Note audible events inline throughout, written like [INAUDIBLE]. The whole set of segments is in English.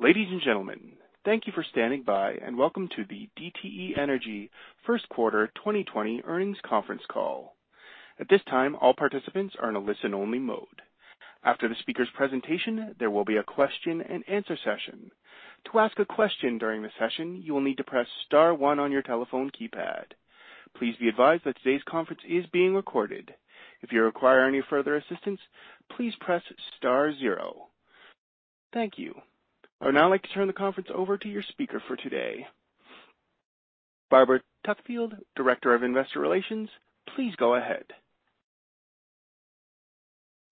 Ladies and gentlemen, thank you for standing by and welcome to the DTE Energy First Quarter 2020 Earnings Conference Call. At this time, all participants are in a listen-only mode. After the speaker's presentation, there will be a question and answer session. To ask a question during the session, you will need to press star one on your telephone keypad. Please be advised that today's conference is being recorded. If you require any further assistance, please press star zero. Thank you. I would now like to turn the conference over to your speaker for today, Barbara Tuckfield, Director of Investor Relations. Please go ahead.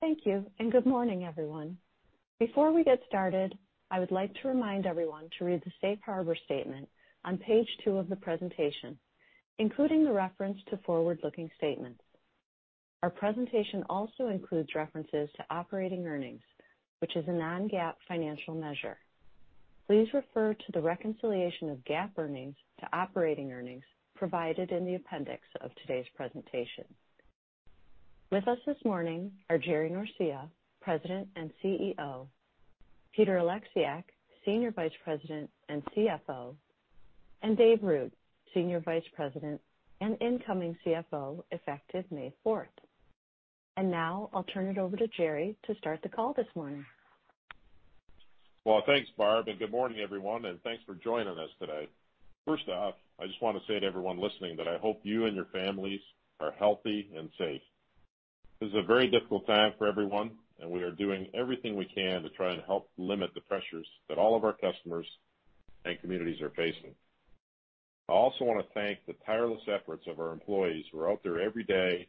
Thank you, and good morning, everyone. Before we get started, I would like to remind everyone to read the safe harbor statement on page 2 of the presentation, including the reference to forward-looking statements. Our presentation also includes references to operating earnings, which is a non-GAAP financial measure. Please refer to the reconciliation of GAAP earnings to operating earnings provided in the appendix of today's presentation. With us this morning are Jerry Norcia, President and CEO, Peter Oleksiak, Senior Vice President and CFO, and Dave Ruud, Senior Vice President and incoming CFO effective May 4th. Now I'll turn it over to Jerry to start the call this morning. Well, thanks, Barb, and good morning, everyone, and thanks for joining us today. First off, I just want to say to everyone listening that I hope you and your families are healthy and safe. This is a very difficult time for everyone, and we are doing everything we can to try and help limit the pressures that all of our customers and communities are facing. I also want to thank the tireless efforts of our employees who are out there every day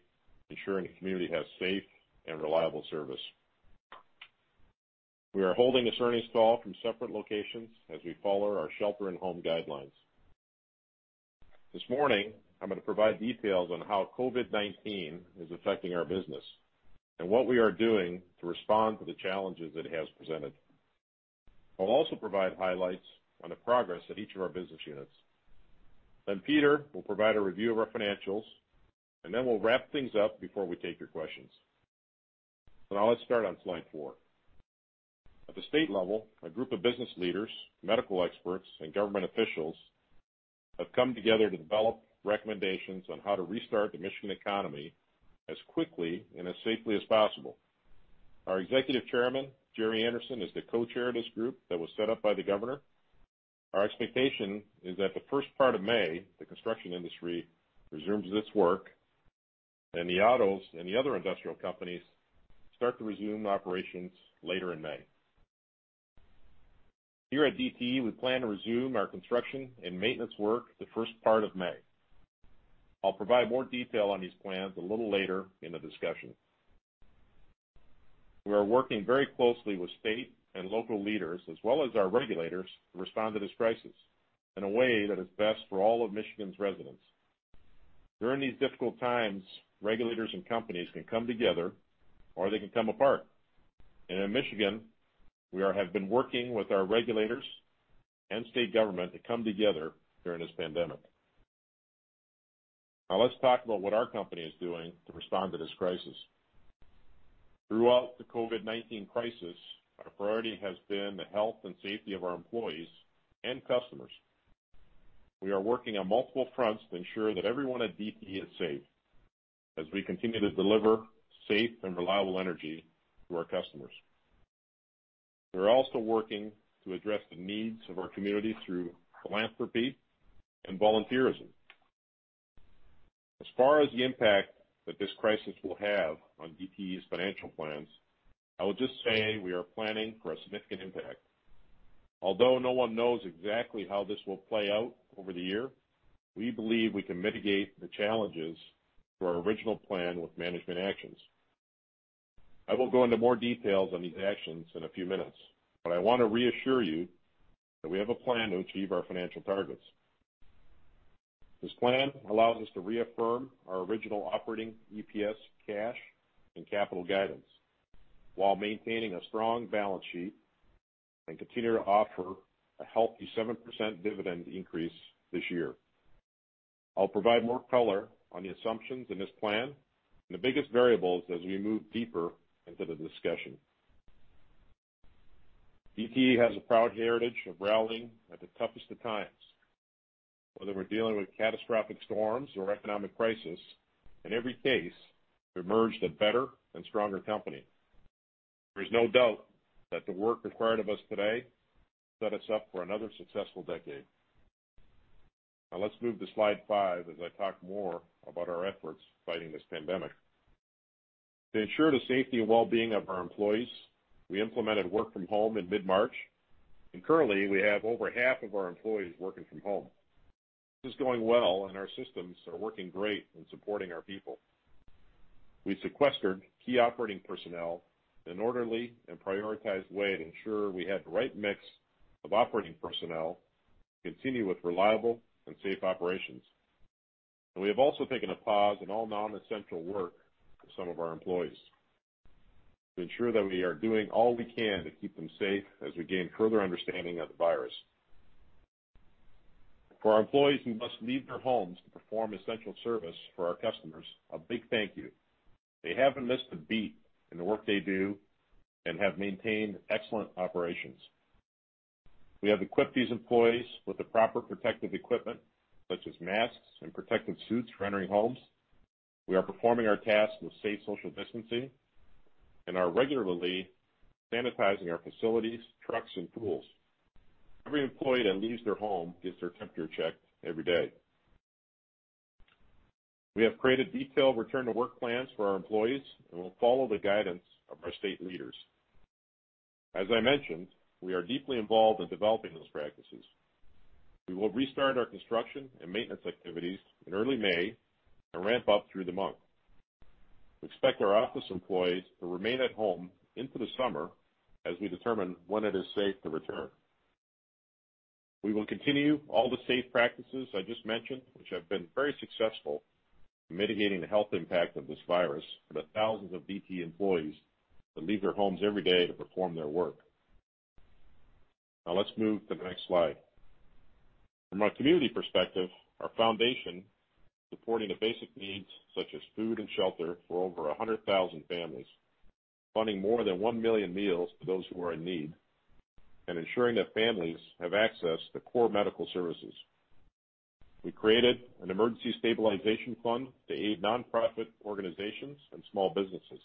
ensuring the community has safe and reliable service. We are holding this earnings call from separate locations as we follow our shelter in home guidelines. This morning, I'm going to provide details on how COVID-19 is affecting our business and what we are doing to respond to the challenges that it has presented. I'll also provide highlights on the progress at each of our business units. Peter will provide a review of our financials, and then we'll wrap things up before we take your questions. Now let's start on slide 4. At the state level, a group of business leaders, medical experts, and government officials have come together to develop recommendations on how to restart the Michigan economy as quickly and as safely as possible. Our Executive Chairman, Gerry Anderson, is the co-chair of this group that was set up by the governor. Our expectation is that the first part of May, the construction industry resumes its work and the autos and the other industrial companies start to resume operations later in May. Here at DTE, we plan to resume our construction and maintenance work the first part of May. I'll provide more detail on these plans a little later in the discussion. We are working very closely with state and local leaders, as well as our regulators, to respond to this crisis in a way that is best for all of Michigan's residents. During these difficult times, regulators and companies can come together, or they can come apart. In Michigan, we have been working with our regulators and state government to come together during this pandemic. Let's talk about what our company is doing to respond to this crisis. Throughout the COVID-19 crisis, our priority has been the health and safety of our employees and customers. We are working on multiple fronts to ensure that everyone at DTE is safe as we continue to deliver safe and reliable energy to our customers. We're also working to address the needs of our community through philanthropy and volunteerism. As far as the impact that this crisis will have on DTE's financial plans, I would just say we are planning for a significant impact. Although no one knows exactly how this will play out over the year, we believe we can mitigate the challenges to our original plan with management actions. I will go into more details on these actions in a few minutes. I want to reassure you that we have a plan to achieve our financial targets. This plan allows us to reaffirm our original operating EPS cash and capital guidance while maintaining a strong balance sheet and continue to offer a healthy 7% dividend increase this year. I'll provide more color on the assumptions in this plan and the biggest variables as we move deeper into the discussion. DTE has a proud heritage of rallying at the toughest of times, whether we're dealing with catastrophic storms or economic crisis. In every case, we emerged a better and stronger company. There is no doubt that the work required of us today set us up for another successful decade. Let's move to slide 5 as I talk more about our efforts fighting this pandemic. To ensure the safety and well-being of our employees, we implemented work from home in mid-March, and currently we have over half of our employees working from home. This is going well, and our systems are working great in supporting our people. We sequestered key operating personnel in an orderly and prioritized way to ensure we had the right mix of operating personnel to continue with reliable and safe operations. We have also taken a pause in all non-essential work for some of our employees to ensure that we are doing all we can to keep them safe as we gain further understanding of the virus. For our employees who must leave their homes to perform essential service for our customers, a big thank you. They haven't missed a beat in the work they do and have maintained excellent operations. We have equipped these employees with the proper protective equipment such as masks and protective suits for entering homes. We are performing our tasks with safe social distancing and are regularly sanitizing our facilities, trucks, and pools. Every employee that leaves their home gets their temperature checked every day. We have created detailed return-to-work plans for our employees, and we'll follow the guidance of our state leaders. As I mentioned, we are deeply involved in developing those practices. We will restart our construction and maintenance activities in early May and ramp up through the month. We expect our office employees to remain at home into the summer as we determine when it is safe to return. We will continue all the safe practices I just mentioned, which have been very successful in mitigating the health impact of this virus for the thousands of DTE employees that leave their homes every day to perform their work. Let's move to the next slide. From a community perspective, our foundation, supporting the basic needs such as food and shelter for over 100,000 families, funding more than 1 million meals to those who are in need, and ensuring that families have access to core medical services. We created an emergency stabilization fund to aid nonprofit organizations and small businesses.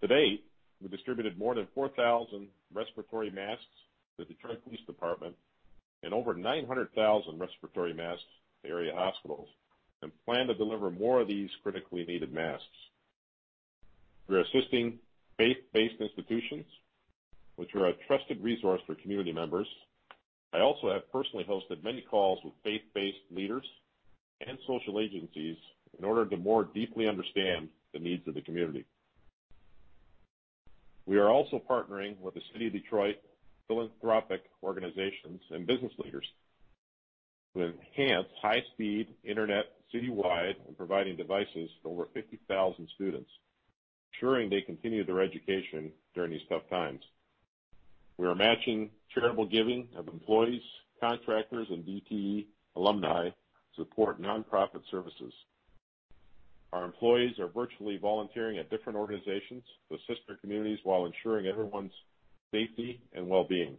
To date, we distributed more than 4,000 respiratory masks to the Detroit Police Department and over 900,000 respiratory masks to area hospitals and plan to deliver more of these critically needed masks. We are assisting faith-based institutions, which are a trusted resource for community members. I also have personally hosted many calls with faith-based leaders and social agencies in order to more deeply understand the needs of the community. We are also partnering with the City of Detroit philanthropic organizations and business leaders to enhance high-speed internet citywide and providing devices to over 50,000 students, ensuring they continue their education during these tough times. We are matching charitable giving of employees, contractors, and DTE alumni to support nonprofit services. Our employees are virtually volunteering at different organizations to assist their communities while ensuring everyone's safety and wellbeing.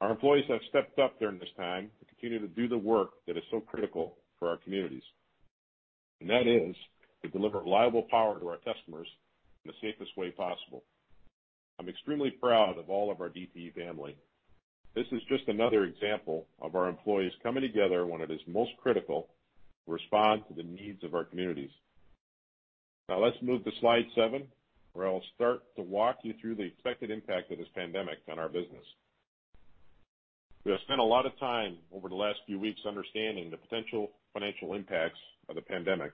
Our employees have stepped up during this time to continue to do the work that is so critical for our communities, and that is to deliver reliable power to our customers in the safest way possible. I'm extremely proud of all of our DTE family. This is just another example of our employees coming together when it is most critical to respond to the needs of our communities. Now let's move to slide 7, where I'll start to walk you through the expected impact of this pandemic on our business. We have spent a lot of time over the last few weeks understanding the potential financial impacts of the pandemic,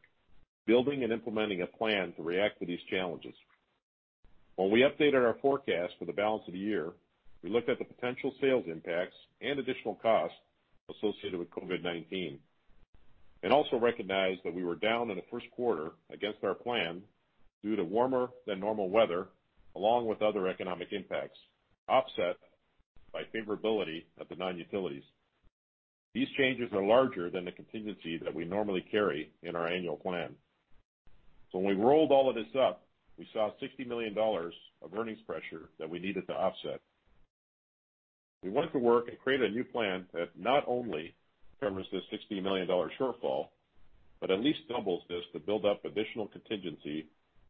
building and implementing a plan to react to these challenges. When we updated our forecast for the balance of the year, we looked at the potential sales impacts and additional costs associated with COVID-19 and also recognized that we were down in the first quarter against our plan due to warmer than normal weather, along with other economic impacts, offset by favorability at the non-utilities. These changes are larger than the contingency that we normally carry in our annual plan. When we rolled all of this up, we saw $60 million of earnings pressure that we needed to offset. We went to work and created a new plan that not only covers this $60 million shortfall, but at least doubles this to build up additional contingency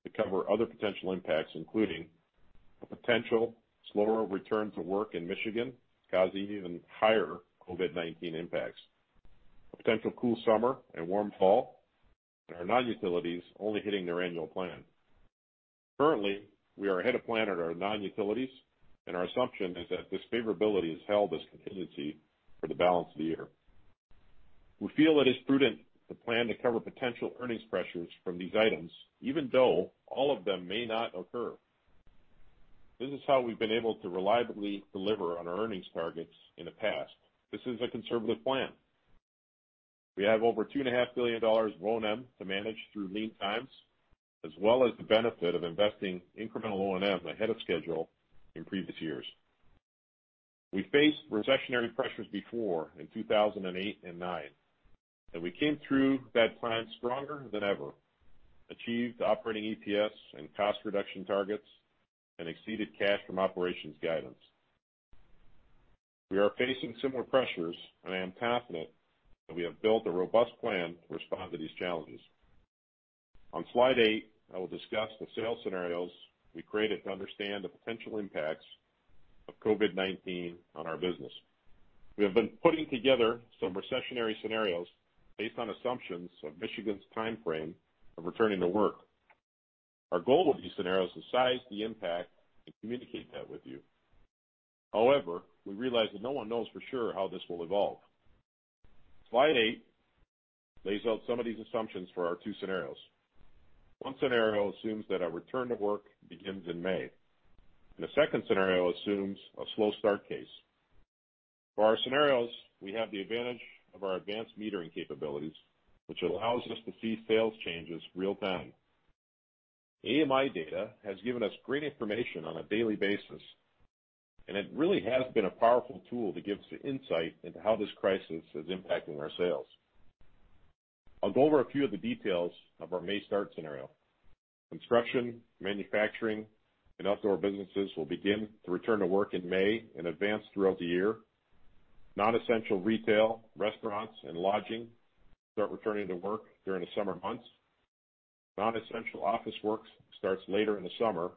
to cover other potential impacts, including a potential slower return to work in Michigan, causing even higher COVID-19 impacts, a potential cool summer and warm fall, and our non-utilities only hitting their annual plan. Currently, we are ahead of plan at our non-utilities, and our assumption is that this favorability is held as contingency for the balance of the year. We feel it is prudent to plan to cover potential earnings pressures from these items, even though all of them may not occur. This is how we've been able to reliably deliver on our earnings targets in the past. This is a conservative plan. We have over $2.5 billion O&M to manage through lean times, as well as the benefit of investing incremental O&M ahead of schedule in previous years. We faced recessionary pressures before in 2008 and 2009, and we came through that plan stronger than ever, achieved operating EPS and cost reduction targets, and exceeded cash from operations guidance. We are facing similar pressures, and I am confident that we have built a robust plan to respond to these challenges. On slide 8, I will discuss the sales scenarios we created to understand the potential impacts of COVID-19 on our business. We have been putting together some recessionary scenarios based on assumptions of Michigan's timeframe of returning to work. Our goal with these scenarios is to size the impact and communicate that with you. However, we realize that no one knows for sure how this will evolve. Slide 8 lays out some of these assumptions for our two scenarios. One scenario assumes that our return to work begins in May, and a second scenario assumes a slow start case. For our scenarios, we have the advantage of our advanced metering capabilities, which allows us to see sales changes real-time. AMI data has given us great information on a daily basis, and it really has been a powerful tool that gives the insight into how this crisis is impacting our sales. I'll go over a few of the details of our May start scenario. Construction, manufacturing, and outdoor businesses will begin to return to work in May and advance throughout the year. Non-essential retail, restaurants, and lodging start returning to work during the summer months. Non-essential office work starts later in the summer,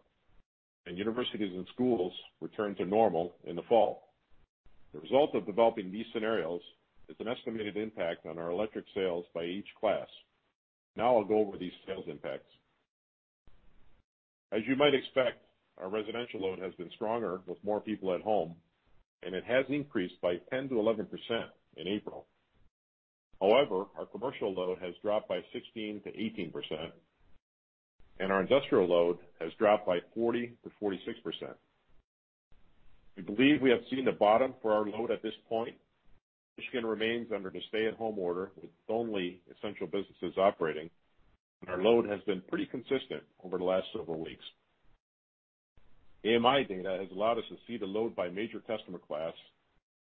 and universities and schools return to normal in the fall. The result of developing these scenarios is an estimated impact on our electric sales by each class. I'll go over these sales impacts. As you might expect, our residential load has been stronger with more people at home, and it has increased by 10%-11% in April. Our commercial load has dropped by 16%-18%, and our industrial load has dropped by 40%-46%. We believe we have seen the bottom for our load at this point. Michigan remains under the stay-at-home order, with only essential businesses operating, and our load has been pretty consistent over the last several weeks. AMI data has allowed us to see the load by major customer class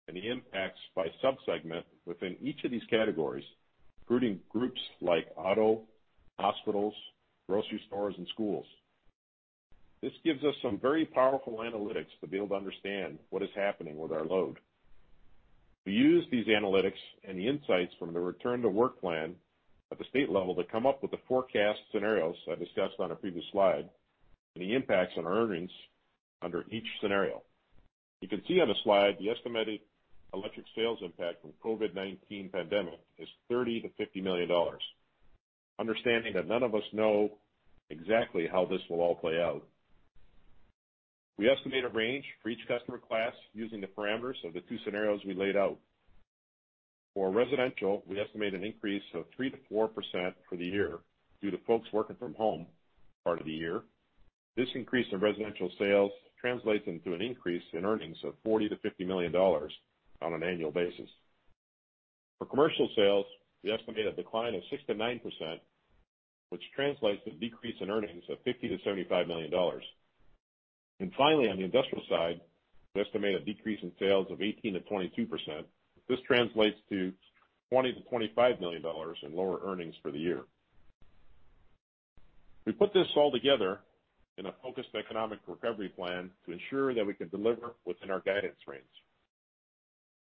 and the impacts by sub-segment within each of these categories, including groups like auto, hospitals, grocery stores, and schools. This gives us some very powerful analytics to be able to understand what is happening with our load. We use these analytics and the insights from the return-to-work plan at the state level to come up with the forecast scenarios I discussed on a previous slide, and the impacts on our earnings under each scenario. You can see on the slide the estimated electric sales impact from COVID-19 pandemic is $30 million-$50 million. Understanding that none of us know exactly how this will all play out. We estimate a range for each customer class using the parameters of the two scenarios we laid out. For residential, we estimate an increase of 3%-4% for the year due to folks working from home part of the year. This increase in residential sales translates into an increase in earnings of $40 million-$50 million on an annual basis. For commercial sales, we estimate a decline of 6%-9%, which translates to a decrease in earnings of $50 million-$75 million. Finally, on the industrial side, we estimate a decrease in sales of 18%-22%. This translates to $20 million-$25 million in lower earnings for the year. We put this all together in a focused economic recovery plan to ensure that we can deliver within our guidance range.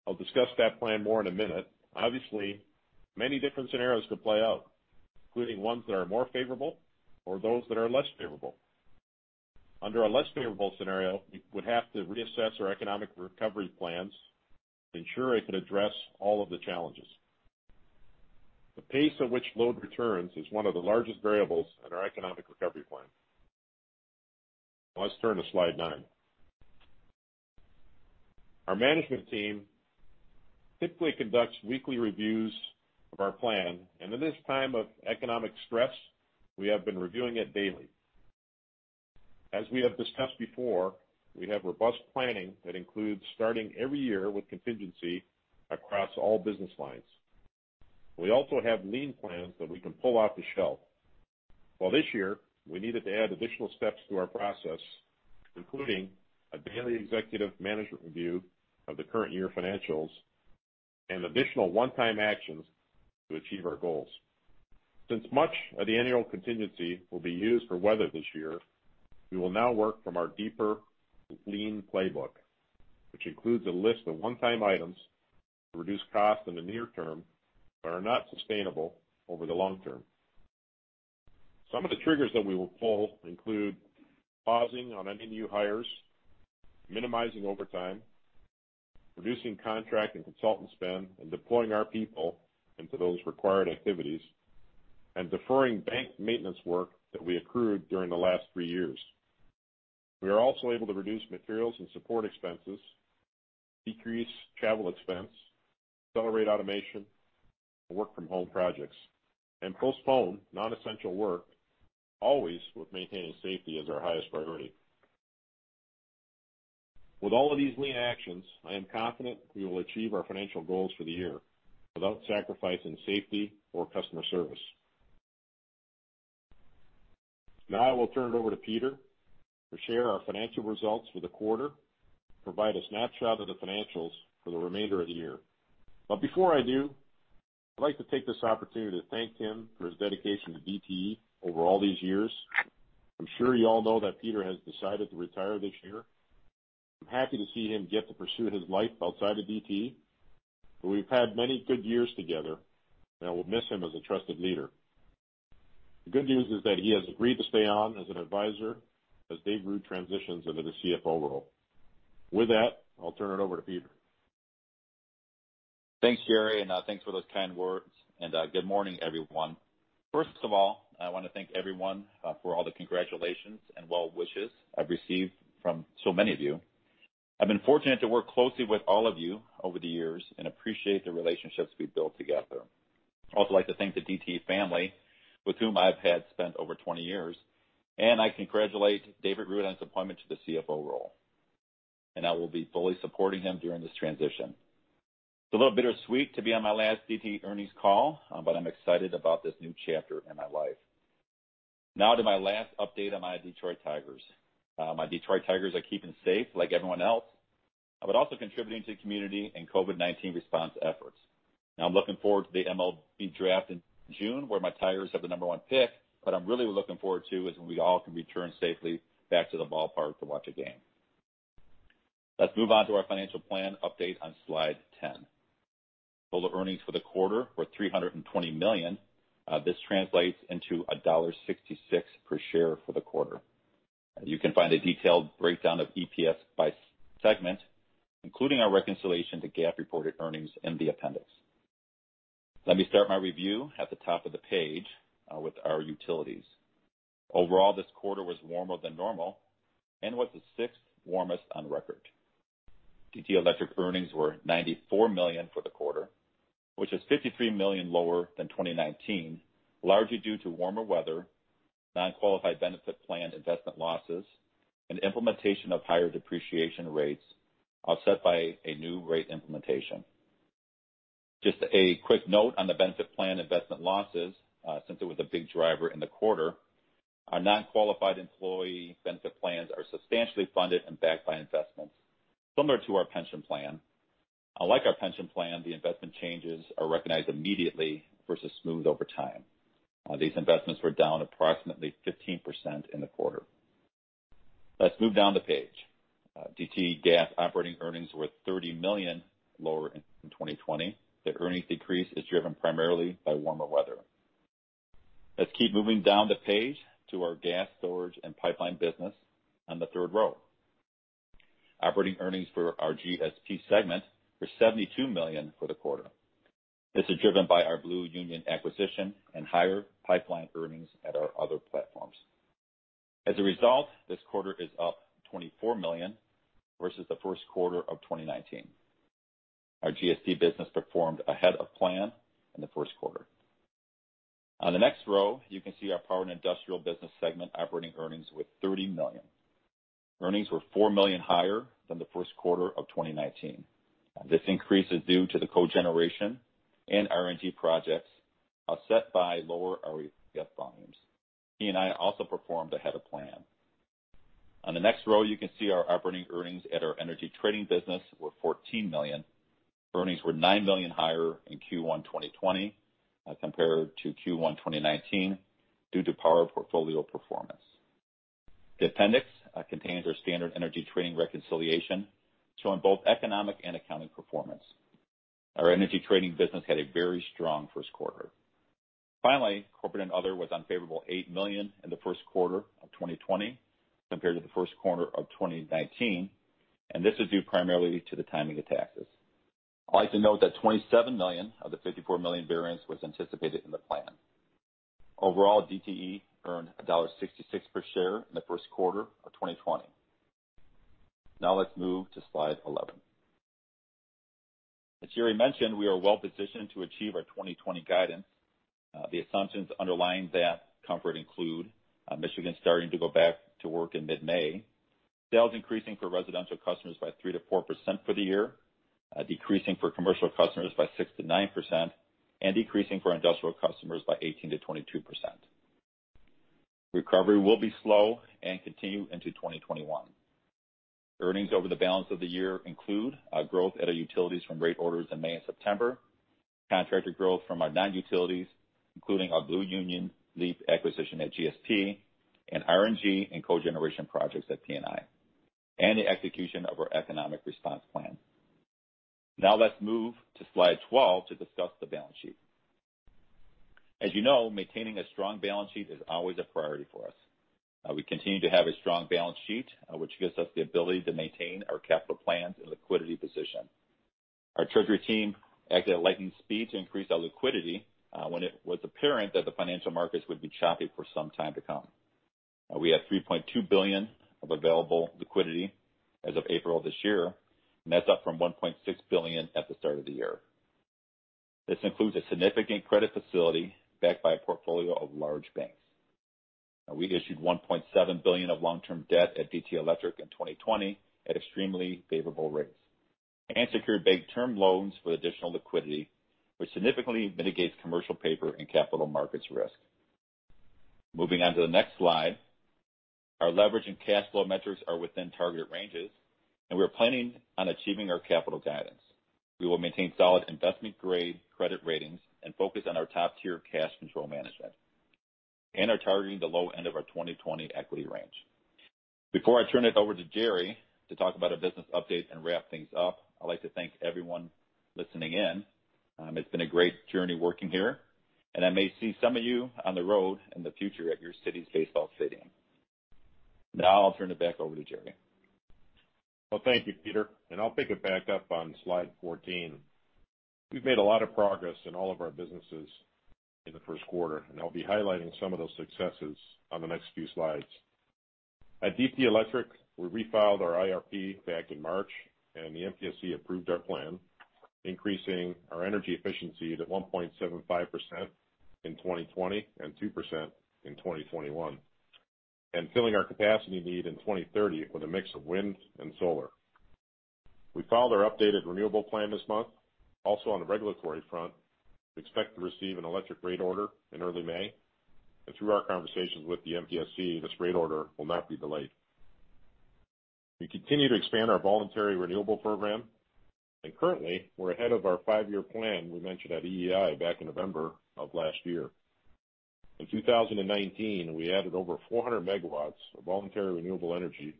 I'll discuss that plan more in a minute. Obviously, many different scenarios could play out, including ones that are more favorable or those that are less favorable. Under a less favorable scenario, we would have to reassess our economic recovery plans to ensure it could address all of the challenges. The pace at which load returns is one of the largest variables in our economic recovery plan. Now let's turn to slide 9. Our management team typically conducts weekly reviews of our plan, and in this time of economic stress, we have been reviewing it daily. As we have discussed before, we have robust planning that includes starting every year with contingency across all business lines. We also have lean plans that we can pull off the shelf. While this year, we needed to add additional steps to our process, including a daily executive management review of the current year financials and additional one-time actions to achieve our goals. Since much of the annual contingency will be used for weather this year, we will now work from our deeper lean playbook, which includes a list of one-time items to reduce costs in the near term but are not sustainable over the long term. Some of the triggers that we will pull include pausing on any new hires, minimizing overtime, reducing contract and consultant spend, and deploying our people into those required activities, and deferring bank maintenance work that we accrued during the last three years. We are also able to reduce materials and support expenses, decrease travel expense, accelerate automation, and work from home projects, and postpone non-essential work, always with maintaining safety as our highest priority. With all of these lean actions, I am confident we will achieve our financial goals for the year without sacrificing safety or customer service. I will turn it over to Peter to share our financial results for the quarter, provide a snapshot of the financials for the remainder of the year. Before I do, I'd like to take this opportunity to thank him for his dedication to DTE over all these years. I'm sure you all know that Peter has decided to retire this year. I'm happy to see him get to pursue his life outside of DTE, but we've had many good years together, and I will miss him as a trusted leader. The good news is that he has agreed to stay on as an advisor as Dave Ruud transitions into the CFO role. With that, I'll turn it over to Peter. Thanks, Jerry. Thanks for those kind words. Good morning, everyone. First of all, I want to thank everyone for all the congratulations and well wishes I've received from so many of you. I've been fortunate to work closely with all of you over the years and appreciate the relationships we've built together. I'd also like to thank the DTE family with whom I've had spent over 20 years, and I congratulate David Ruud on his appointment to the CFO role. I will be fully supporting him during this transition. It's a little bittersweet to be on my last DTE earnings call, but I'm excited about this new chapter in my life. Now to my last update on my Detroit Tigers. My Detroit Tigers are keeping safe like everyone else, but also contributing to the community and COVID-19 response efforts. Now I'm looking forward to the MLB draft in June, where my Tigers have the number 1 pick, but I'm really looking forward to is when we all can return safely back to the ballpark to watch a game. Let's move on to our financial plan update on slide 10. Total earnings for the quarter were $320 million. This translates into $1.66 per share for the quarter. You can find a detailed breakdown of EPS by segment, including our reconciliation to GAAP-reported earnings in the appendix. Let me start my review at the top of the page with our utilities. Overall, this quarter was warmer than normal and was the sixth warmest on record. DTE Electric earnings were $94 million for the quarter, which is $53 million lower than 2019, largely due to warmer weather, non-qualified benefit plan investment losses, and implementation of higher depreciation rates offset by a new rate implementation. Just a quick note on the benefit plan investment losses, since it was a big driver in the quarter. Our non-qualified employee benefit plans are substantially funded and backed by investments similar to our pension plan. Unlike our pension plan, the investment changes are recognized immediately versus smoothed over time. These investments were down approximately 15% in the quarter. Let's move down the page. DTE Gas operating earnings were $30 million lower in 2020. The earnings decrease is driven primarily by warmer weather. Let's keep moving down the page to our Gas Storage and Pipelines business on the third row. Operating earnings for our GSP segment were $72 million for the quarter. This is driven by our Blue Union acquisition and higher pipeline earnings at our other platforms. As a result, this quarter is up $24 million versus the first quarter of 2019. Our GSP business performed ahead of plan in the first quarter. On the next row, you can see our Power and Industrial business segment operating earnings with $30 million. Earnings were $4 million higher than the first quarter of 2019. This increase is due to the cogeneration and RNG projects offset by lower REF volumes. P&I also performed ahead of plan. On the next row, you can see our operating earnings at our energy trading business were $14 million. Earnings were $9 million higher in Q1 2020 as compared to Q1 2019 due to power portfolio performance. The appendix contains our standard energy trading reconciliation, showing both economic and accounting performance. Our energy trading business had a very strong first quarter. Finally, corporate and other was unfavorable $8 million in the first quarter of 2020 compared to the first quarter of 2019. This was due primarily to the timing of taxes. I'd like to note that $27 million of the $54 million variance was anticipated in the plan. Overall, DTE earned $1.66 per share in the first quarter of 2020. Let's move to slide 11. As Jerry mentioned, we are well positioned to achieve our 2020 guidance. The assumptions underlying that comfort include Michigan starting to go back to work in mid-May, sales increasing for residential customers by 3%-4% for the year, decreasing for commercial customers by 6%-9%, and decreasing for industrial customers by 18%-22%. Recovery will be slow and continue into 2021. Earnings over the balance of the year include growth at our utilities from rate orders in May and September, contracted growth from our non-utilities, including our Blue Union/LEAP acquisition at GSP and RNG and cogeneration projects at P&I, and the execution of our economic response plan. Let's move to slide 12 to discuss the balance sheet. As you know, maintaining a strong balance sheet is always a priority for us. We continue to have a strong balance sheet, which gives us the ability to maintain our capital plans and liquidity position. Our treasury team acted at lightning speed to increase our liquidity when it was apparent that the financial markets would be choppy for some time to come. We have $3.2 billion of available liquidity as of April this year. That's up from $1.6 billion at the start of the year. This includes a significant credit facility backed by a portfolio of large banks. We issued $1.7 billion of long-term debt at DTE Electric in 2020 at extremely favorable rates and secured bank term loans for additional liquidity, which significantly mitigates commercial paper and capital markets risk. Moving on to the next slide. Our leverage and cash flow metrics are within target ranges, and we are planning on achieving our capital guidance. We will maintain solid investment-grade credit ratings and focus on our top-tier cash control management and are targeting the low end of our 2020 equity range. Before I turn it over to Jerry to talk about our business updates and wrap things up, I'd like to thank everyone listening in. It's been a great journey working here, and I may see some of you on the road in the future at your city's baseball stadium. Now I'll turn it back over to Jerry. Well, thank you, Peter. I'll pick it back up on slide 14. We've made a lot of progress in all of our businesses in the first quarter. I'll be highlighting some of those successes on the next few slides. At DTE Electric, we refiled our IRP back in March. The MPSC approved our plan. Increasing our energy efficiency to 1.75% in 2020 and 2% in 2021, and filling our capacity need in 2030 with a mix of wind and solar. We filed our updated renewable plan this month. Also, on the regulatory front, we expect to receive an electric rate order in early May, and through our conversations with the MPSC, this rate order will not be delayed. We continue to expand our voluntary renewable program, and currently, we're ahead of our five-year plan we mentioned at EEI back in November of last year. In 2019, we added over 400 megawatts of voluntary renewable energy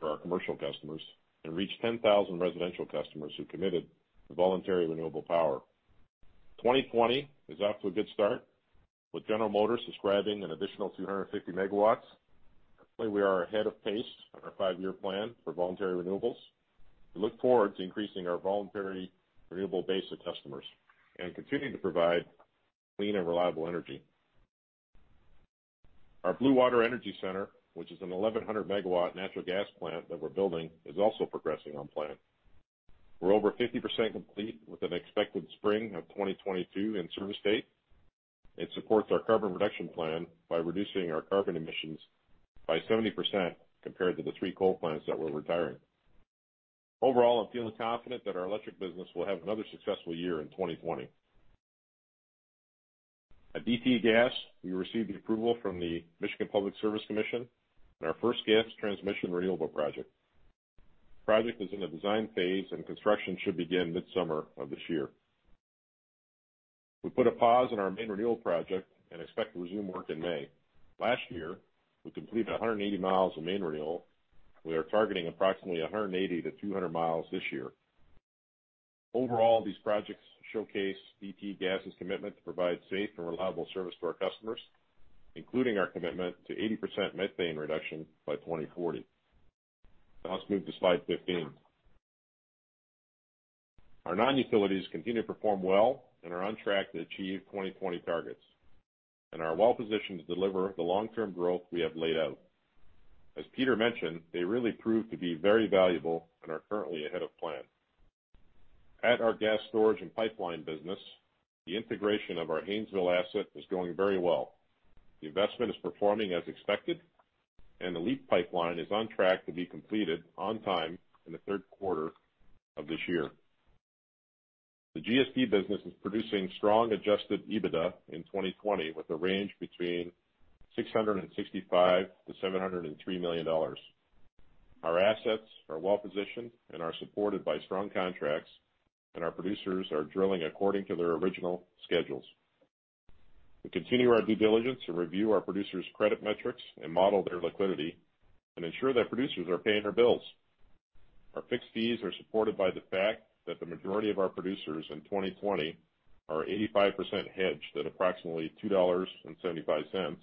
for our commercial customers and reached 10,000 residential customers who committed to voluntary renewable power. 2020 is off to a good start with General Motors subscribing an additional 250 megawatts. Currently, we are ahead of pace on our five-year plan for voluntary renewables. We look forward to increasing our voluntary renewable base of customers and continuing to provide clean and reliable energy. Our Blue Water Energy Center, which is an 1,100-megawatt natural gas plant that we're building, is also progressing on plan. We're over 50% complete with an expected spring of 2022 in-service date. It supports our carbon reduction plan by reducing our carbon emissions by 70% compared to the three coal plants that we're retiring. Overall, I'm feeling confident that our electric business will have another successful year in 2020. At DTE Gas, we received the approval from the Michigan Public Service Commission on our first gas transmission renewable project. The project is in the design phase, and construction should begin mid-summer of this year. We put a pause on our main renewal project and expect to resume work in May. Last year, we completed 180 miles of main renewal. We are targeting approximately 180-200 miles this year. Overall, these projects showcase DTE Gas's commitment to provide safe and reliable service to our customers, including our commitment to 80% methane reduction by 2040. Now let's move to slide 15. Our non-utilities continue to perform well and are on track to achieve 2020 targets and are well-positioned to deliver the long-term growth we have laid out. As Peter mentioned, they really proved to be very valuable and are currently ahead of plan. At our Gas Storage and Pipelines business, the integration of our Haynesville asset is going very well. The investment is performing as expected. The LEAP pipeline is on track to be completed on time in the third quarter of this year. The GSP business is producing strong Adjusted EBITDA in 2020 with a range between $665 million-$703 million. Our assets are well-positioned and are supported by strong contracts. Our producers are drilling according to their original schedules. We continue our due diligence to review our producers' credit metrics and model their liquidity and ensure that producers are paying their bills. Our fixed fees are supported by the fact that the majority of our producers in 2020 are 85% hedged at approximately $2.75, and 50%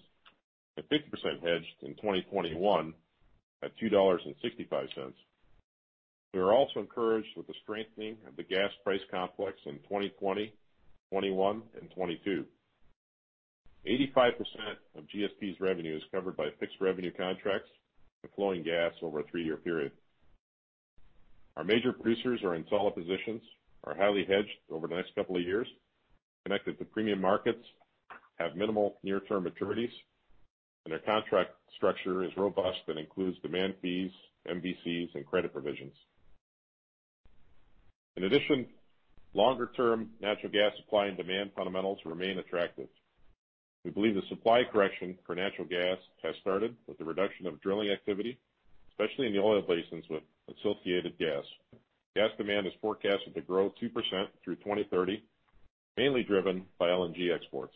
hedged in 2021 at $2.65. We are also encouraged with the strengthening of the gas price complex in 2020, 2021, and 2022. 85% of GSP's revenue is covered by fixed-revenue contracts and flowing gas over a three-year period. Our major producers are in solid positions, are highly hedged over the next couple of years, connected to premium markets, have minimal near-term maturities, and their contract structure is robust and includes demand fees, MVCs, and credit provisions. In addition, longer-term natural gas supply and demand fundamentals remain attractive. We believe the supply correction for natural gas has started with the reduction of drilling activity, especially in the oil basins with associated gas. Gas demand is forecasted to grow 2% through 2030, mainly driven by LNG exports.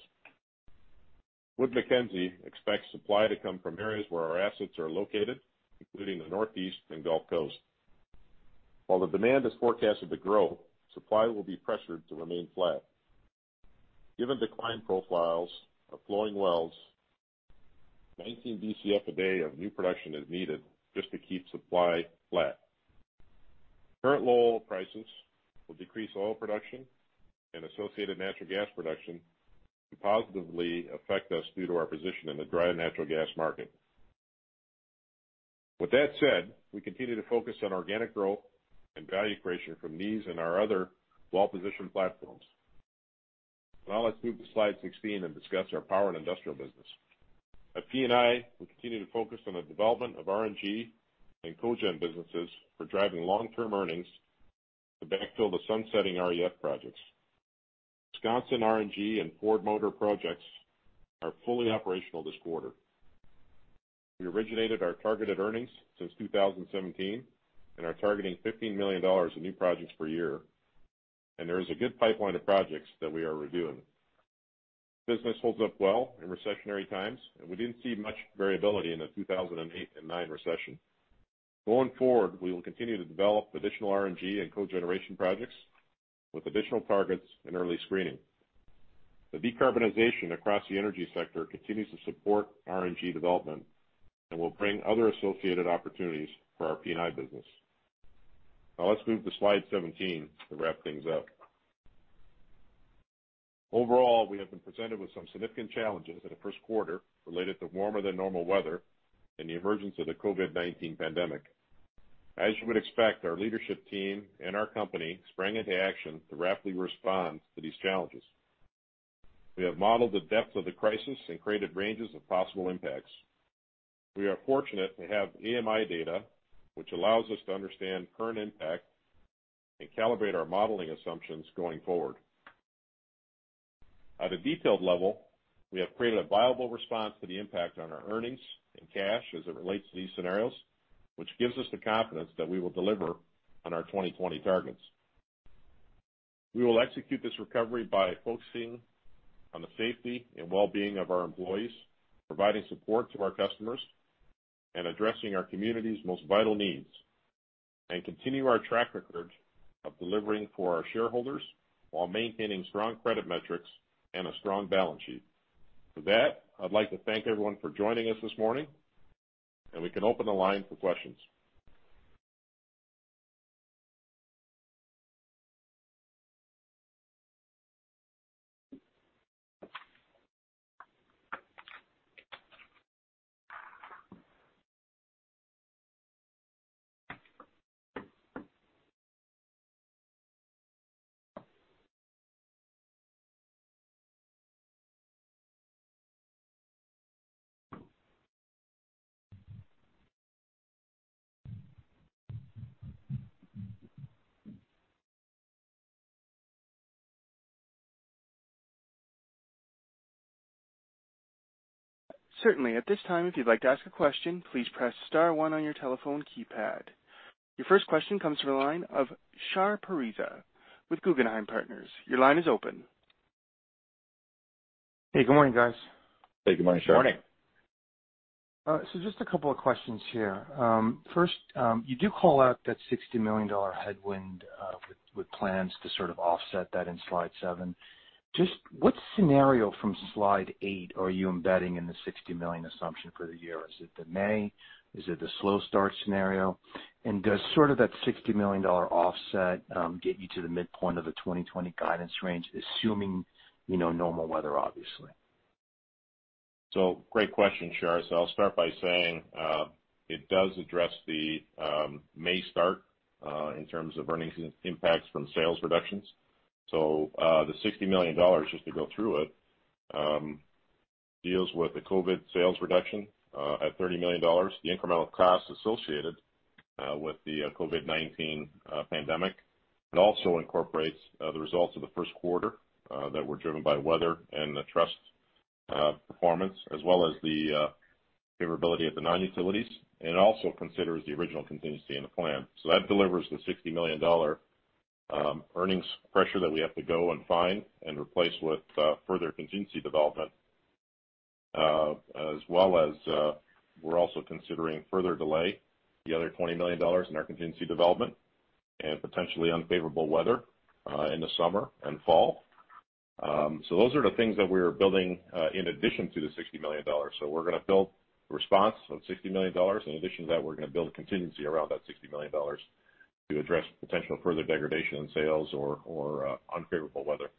Wood Mackenzie expects supply to come from areas where our assets are located, including the Northeast and Gulf Coast. While the demand is forecasted to grow, supply will be pressured to remain flat. Given decline profiles of flowing wells, 19 BCF a day of new production is needed just to keep supply flat. Current low oil prices will decrease oil production and associated natural gas production and positively affect us due to our position in the dry natural gas market. With that said, we continue to focus on organic growth and value creation from these and our other well-positioned platforms. Now let's move to slide 16 and discuss our power and industrial business. At P&I, we continue to focus on the development of RNG and cogen businesses for driving long-term earnings to backfill the sunsetting REF projects. Wisconsin RNG and Ford Motor projects are fully operational this quarter. We originated our targeted earnings since 2017 and are targeting $15 million in new projects per year, and there is a good pipeline of projects that we are reviewing. Business holds up well in recessionary times, and we didn't see much variability in the 2008 and 2009 recession. Going forward, we will continue to develop additional RNG and cogeneration projects with additional targets and early screening. The decarbonization across the energy sector continues to support RNG development and will bring other associated opportunities for our P&I business. Let's move to slide 17 to wrap things up. Overall, we have been presented with some significant challenges in the first quarter related to warmer than normal weather and the emergence of the COVID-19 pandemic. As you would expect, our leadership team and our company sprang into action to rapidly respond to these challenges. We have modeled the depth of the crisis and created ranges of possible impacts. We are fortunate to have AMI data, which allows us to understand current impact and calibrate our modeling assumptions going forward. At a detailed level, we have created a viable response to the impact on our earnings and cash as it relates to these scenarios, which gives us the confidence that we will deliver on our 2020 targets. We will execute this recovery by focusing on the safety and wellbeing of our employees, providing support to our customers, and addressing our community's most vital needs, and continue our track record of delivering for our shareholders while maintaining strong credit metrics and a strong balance sheet. With that, I'd like to thank everyone for joining us this morning, and we can open the line for questions. Certainly. At this time, if you'd like to ask a question, please press star one on your telephone keypad. Your first question comes from the line of Shar Pourreza with Guggenheim Partners. Your line is open. Hey, good morning, guys. Hey, good morning, Shar. Good morning. Just a couple of questions here. First, you do call out that $60 million headwind, with plans to sort of offset that in slide 7. Just what scenario from slide 8 are you embedding in the $60 million assumption for the year? Is it the May? Is it the slow start scenario? Does that $60 million offset get you to the midpoint of the 2020 guidance range, assuming normal weather, obviously? Great question, Shar. I'll start by saying, it does address the May start, in terms of earnings impacts from sales reductions. The $60 million, just to go through it, deals with the COVID sales reduction, at $30 million, the incremental cost associated with the COVID-19 pandemic. It also incorporates the results of the first quarter that were driven by weather and the trust performance, as well as the favorability of the non-utilities. It also considers the original contingency in the plan. That delivers the $60 million earnings pressure that we have to go and find and replace with further contingency development, as well as, we're also considering further delay, the other $20 million in our contingency development and potentially unfavorable weather in the summer and fall. Those are the things that we're building, in addition to the $60 million. We're going to build a response of $60 million. In addition to that, we're going to build a contingency around that $60 million to address potential further degradation in sales or unfavorable weather.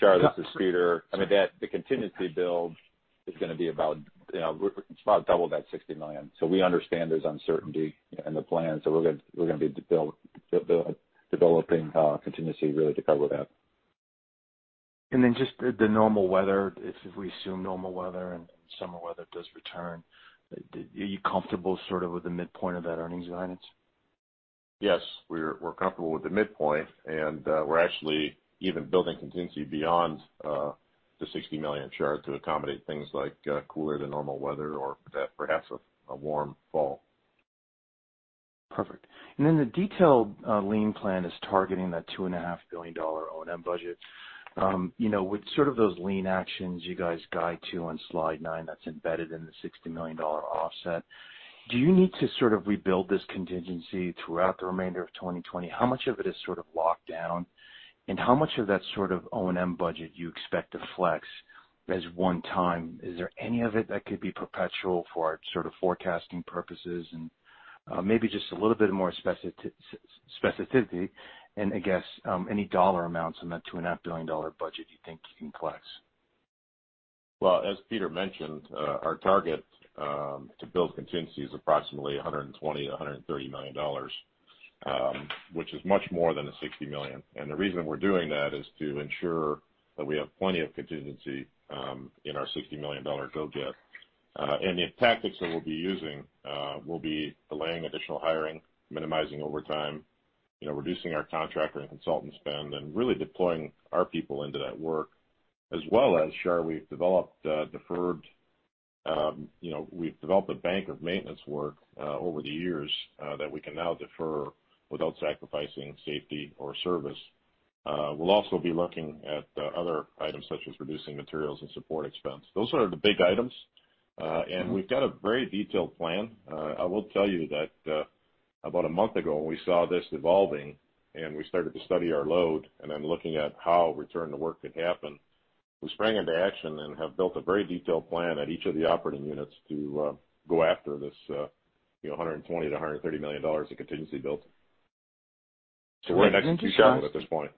Shar, this is Peter. The contingency build is going to be about double that $60 million. We understand there's uncertainty in the plan. We're going to be developing a contingency really to cover that. Just the normal weather, if we assume normal weather and summer weather does return, are you comfortable sort of with the midpoint of that earnings guidance? Yes. We're comfortable with the midpoint, and we're actually even building contingency beyond the $60 million, Shar, to accommodate things like cooler than normal weather or perhaps a warm fall. Perfect. The detailed lean plan is targeting that $2.5 billion O&M budget. With those lean actions you guys guide to on slide 9, that's embedded in the $60 million offset. Do you need to sort of rebuild this contingency throughout the remainder of 2020? How much of it is sort of locked down? How much of that sort of O&M budget you expect to flex as one time? Is there any of it that could be perpetual for sort of forecasting purposes and maybe just a little bit more specificity and I guess, any dollar amounts in that $2.5 billion budget you think you can flex? Well, as Peter mentioned, our target to build contingency is approximately $120 million-$130 million, which is much more than the $60 million. The reason we're doing that is to ensure that we have plenty of contingency in our $60 million go-get. The tactics that we'll be using will be delaying additional hiring, minimizing overtime, reducing our contractor and consultant spend and really deploying our people into that work as well as, Shar, we've developed a bank of maintenance work over the years that we can now defer without sacrificing safety or service. We'll also be looking at other items such as reducing materials and support expense. Those are the big items, and we've got a very detailed plan. I will tell you that about a month ago when we saw this evolving and we started to study our load and then looking at how return to work could happen. We sprang into action and have built a very detailed plan at each of the operating units to go after this $120 million-$130 million of contingency builds. We're in execution mode at this point.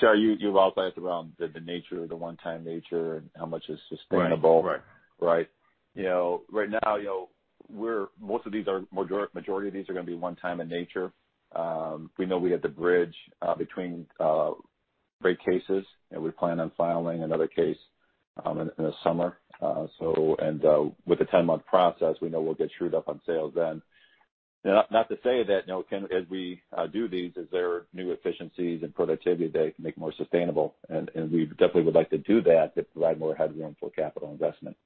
Shar, you've outlined the nature of the one-time and how much is sustainable. Right. Right. Right now, majority of these are going to be one time in nature. We know we had to bridge between rate cases, and we plan on filing another case in the summer. With the 10-month process, we know we'll get trued up on sales then. Not to say that as we do these, is there new efficiencies and productivity that can make more sustainable? We definitely would like to do that to provide more headroom for capital investment.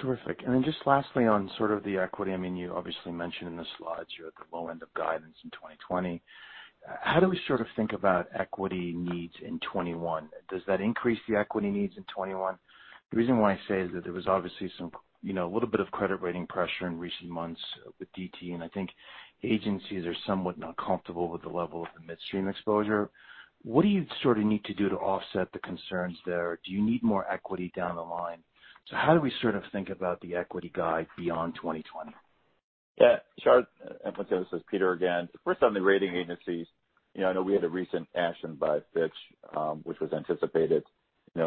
Terrific. Just lastly on sort of the equity. You obviously mentioned in the slides, you're at the low end of guidance in 2020. How do we sort of think about equity needs in 2021? Does that increase the equity needs in 2021? The reason why I say is that there was obviously a little bit of credit rating pressure in recent months with DTE. I think agencies are somewhat not comfortable with the level of the midstream exposure. What do you sort of need to do to offset the concerns there? Do you need more equity down the line? How do we sort of think about the equity guide beyond 2020? Shar, this is Peter again. First on the rating agencies, I know we had a recent action by Fitch, which was anticipated. We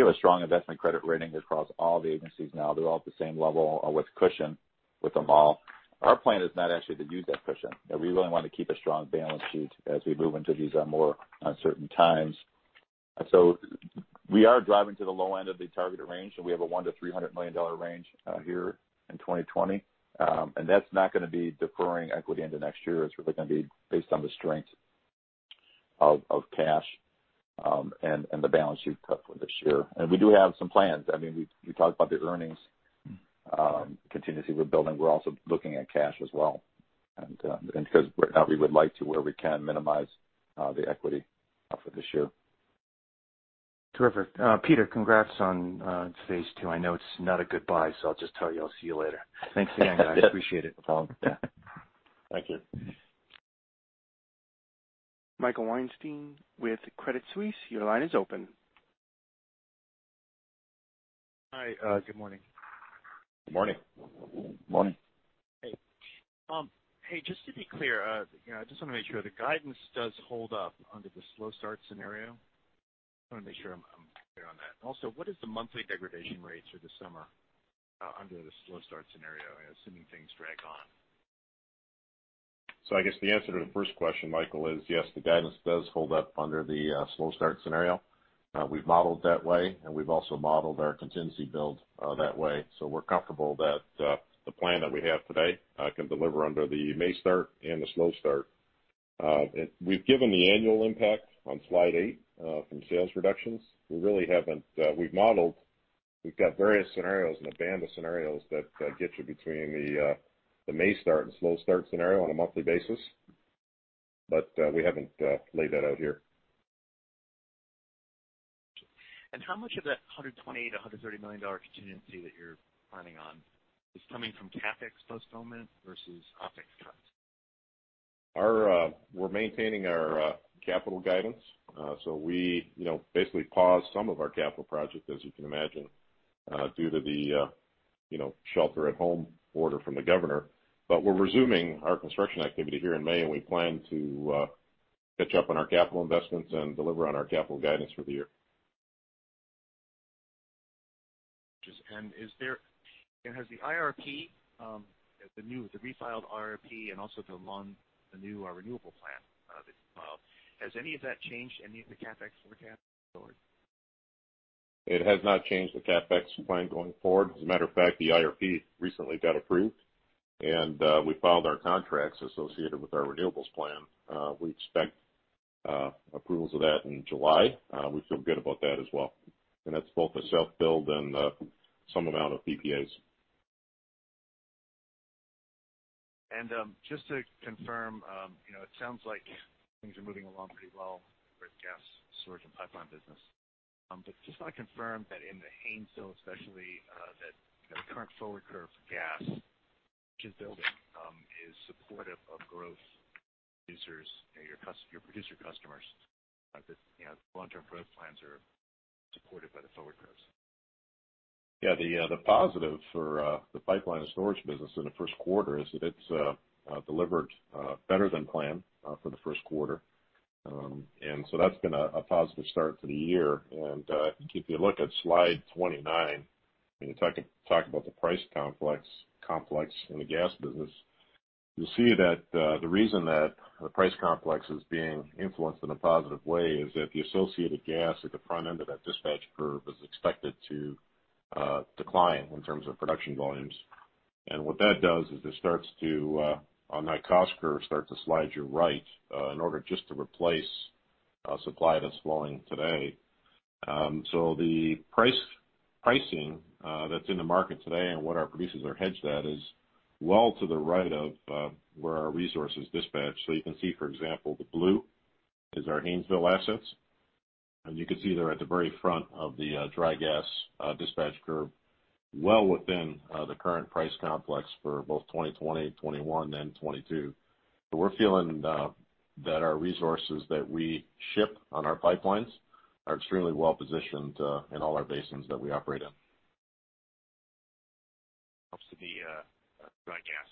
have a strong investment credit rating across all the agencies now. They're all at the same level with cushion with them all. Our plan is not actually to use that cushion. We really want to keep a strong balance sheet as we move into these more uncertain times. We are driving to the low end of the targeted range, and we have a $100 million-$300 million range here in 2020. That's not going to be deferring equity into next year. It's really going to be based on the strength of cash and the balance sheet for this year. We do have some plans. We talked about the earnings contingency we're building. We're also looking at cash as well. Because we would like to, where we can, minimize the equity for this year. Terrific. Peter, congrats on stage 2. I know it's not a goodbye, so I'll just tell you I'll see you later. Thanks again, guys. Appreciate it. No problem. Yeah. Thank you. Michael Weinstein with Credit Suisse, your line is open. Hi. Good morning. Good morning. Morning. Hey. Just to be clear, I just want to make sure the guidance does hold up under the slow start scenario. I want to make sure I'm clear on that. What is the monthly degradation rates for the summer under the slow start scenario, assuming things drag on? I guess the answer to the first question, Michael, is yes, the guidance does hold up under the slow start scenario. We've modeled that way, and we've also modeled our contingency build that way. We're comfortable that the plan that we have today can deliver under the May start and the slow start. We've given the annual impact on slide 8 from sales reductions. We've got various scenarios and a band of scenarios that get you between the May start and slow start scenario on a monthly basis, but we haven't laid that out here. How much of that $128 million-$130 million contingency that you're planning on is coming from CapEx postponement versus OpEx cuts? We're maintaining our capital guidance. We basically paused some of our capital project, as you can imagine, due to the shelter at home order from the governor. We're resuming our construction activity here in May, and we plan to catch up on our capital investments and deliver on our capital guidance for the year. Has the IRP, the new refiled IRP and also the new renewable plan that you filed, has any of that changed any of the CapEx forecasts going forward? It has not changed the CapEx plan going forward. As a matter of fact, the IRP recently got approved. We filed our contracts associated with our renewables plan. We expect approvals of that in July. We feel good about that as well. That's both a self-build and some amount of PPAs. Just to confirm, it sounds like things are moving along pretty well with Gas Storage and Pipelines business. Just want to confirm that in the Haynesville, especially, that the current forward curve for gas, which is building, is supportive of growth users, your producer customers, that long-term growth plans are supported by the forward curves. The positive for the Pipeline and Storage business in the first quarter is that it's delivered better than planned for the first quarter. That's been a positive start to the year. If you look at slide 29, when you talk about the price complex in the gas business, you'll see that the reason that the price complex is being influenced in a positive way is that the associated gas at the front end of that dispatch curve is expected to decline in terms of production volumes. What that does is it starts to, on that cost curve, start to slide to your right in order just to replace supply that's flowing today. The pricing that's in the market today and what our producers are hedged at is well to the right of where our resource is dispatched. You can see, for example, the blue is our Haynesville assets, and you can see they're at the very front of the dry gas dispatch curve, well within the current price complex for both 2020, 2021, and 2022. We're feeling that our resources that we ship on our pipelines are extremely well-positioned in all our basins that we operate in. Helps with the dry gas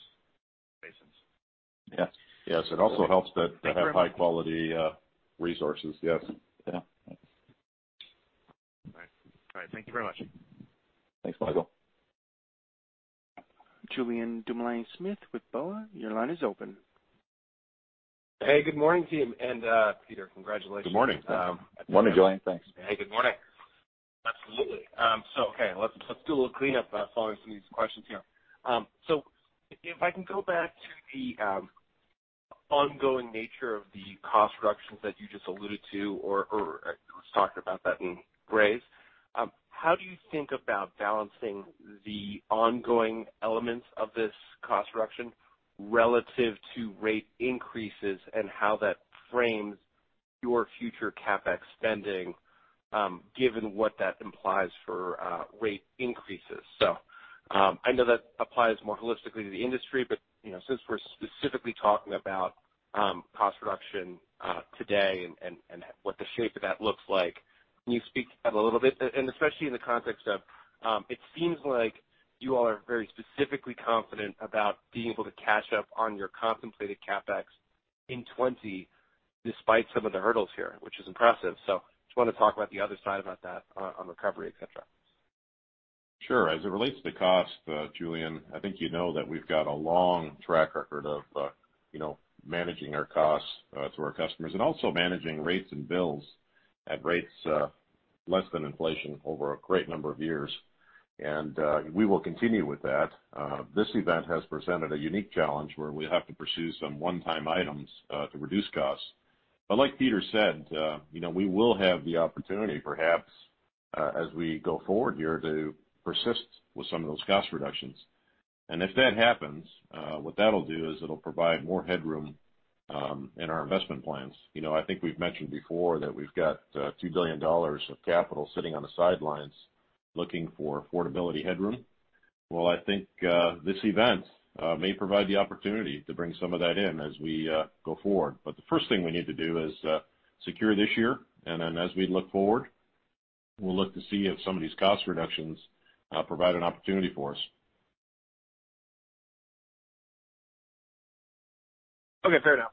basins? Yes. It also helps that- Thank you very much. -they have high quality resources. Yes. Yeah. All right. Thank you very much. Thanks, Michael. Julien Dumoulin-Smith with BofA. Your line is open. Hey, good morning, team. Peter, congratulations. Good morning. Morning, Julien. Thanks. Hey, good morning. Absolutely. Okay, let's do a little cleanup following some of these questions here. If I can go back to the ongoing nature of the cost reductions that you just alluded to, or I was talking about that in rates. How do you think about balancing the ongoing elements of this cost reduction relative to rate increases and how that frames your future CapEx spending, given what that implies for rate increases? I know that applies more holistically to the industry, but, since we're specifically talking about cost reduction today and what the shape of that looks like, can you speak to that a little bit? Especially in the context of, it seems like you all are very specifically confident about being able to catch up on your contemplated CapEx in 2020, despite some of the hurdles here, which is impressive. Just want to talk about the other side about that on recovery, et cetera. Sure. As it relates to cost, Julien, I think you know that we've got a long track record of managing our costs to our customers and also managing rates and bills at rates less than inflation over a great number of years. We will continue with that. This event has presented a unique challenge where we have to pursue some one-time items to reduce costs. Like Peter said, we will have the opportunity perhaps, as we go forward here, to persist with some of those cost reductions. If that happens, what that'll do is it'll provide more headroom in our investment plans. I think we've mentioned before that we've got $2 billion of capital sitting on the sidelines looking for affordability headroom. Well, I think this event may provide the opportunity to bring some of that in as we go forward. The first thing we need to do is secure this year, and then as we look forward, we'll look to see if some of these cost reductions provide an opportunity for us. Okay, fair enough.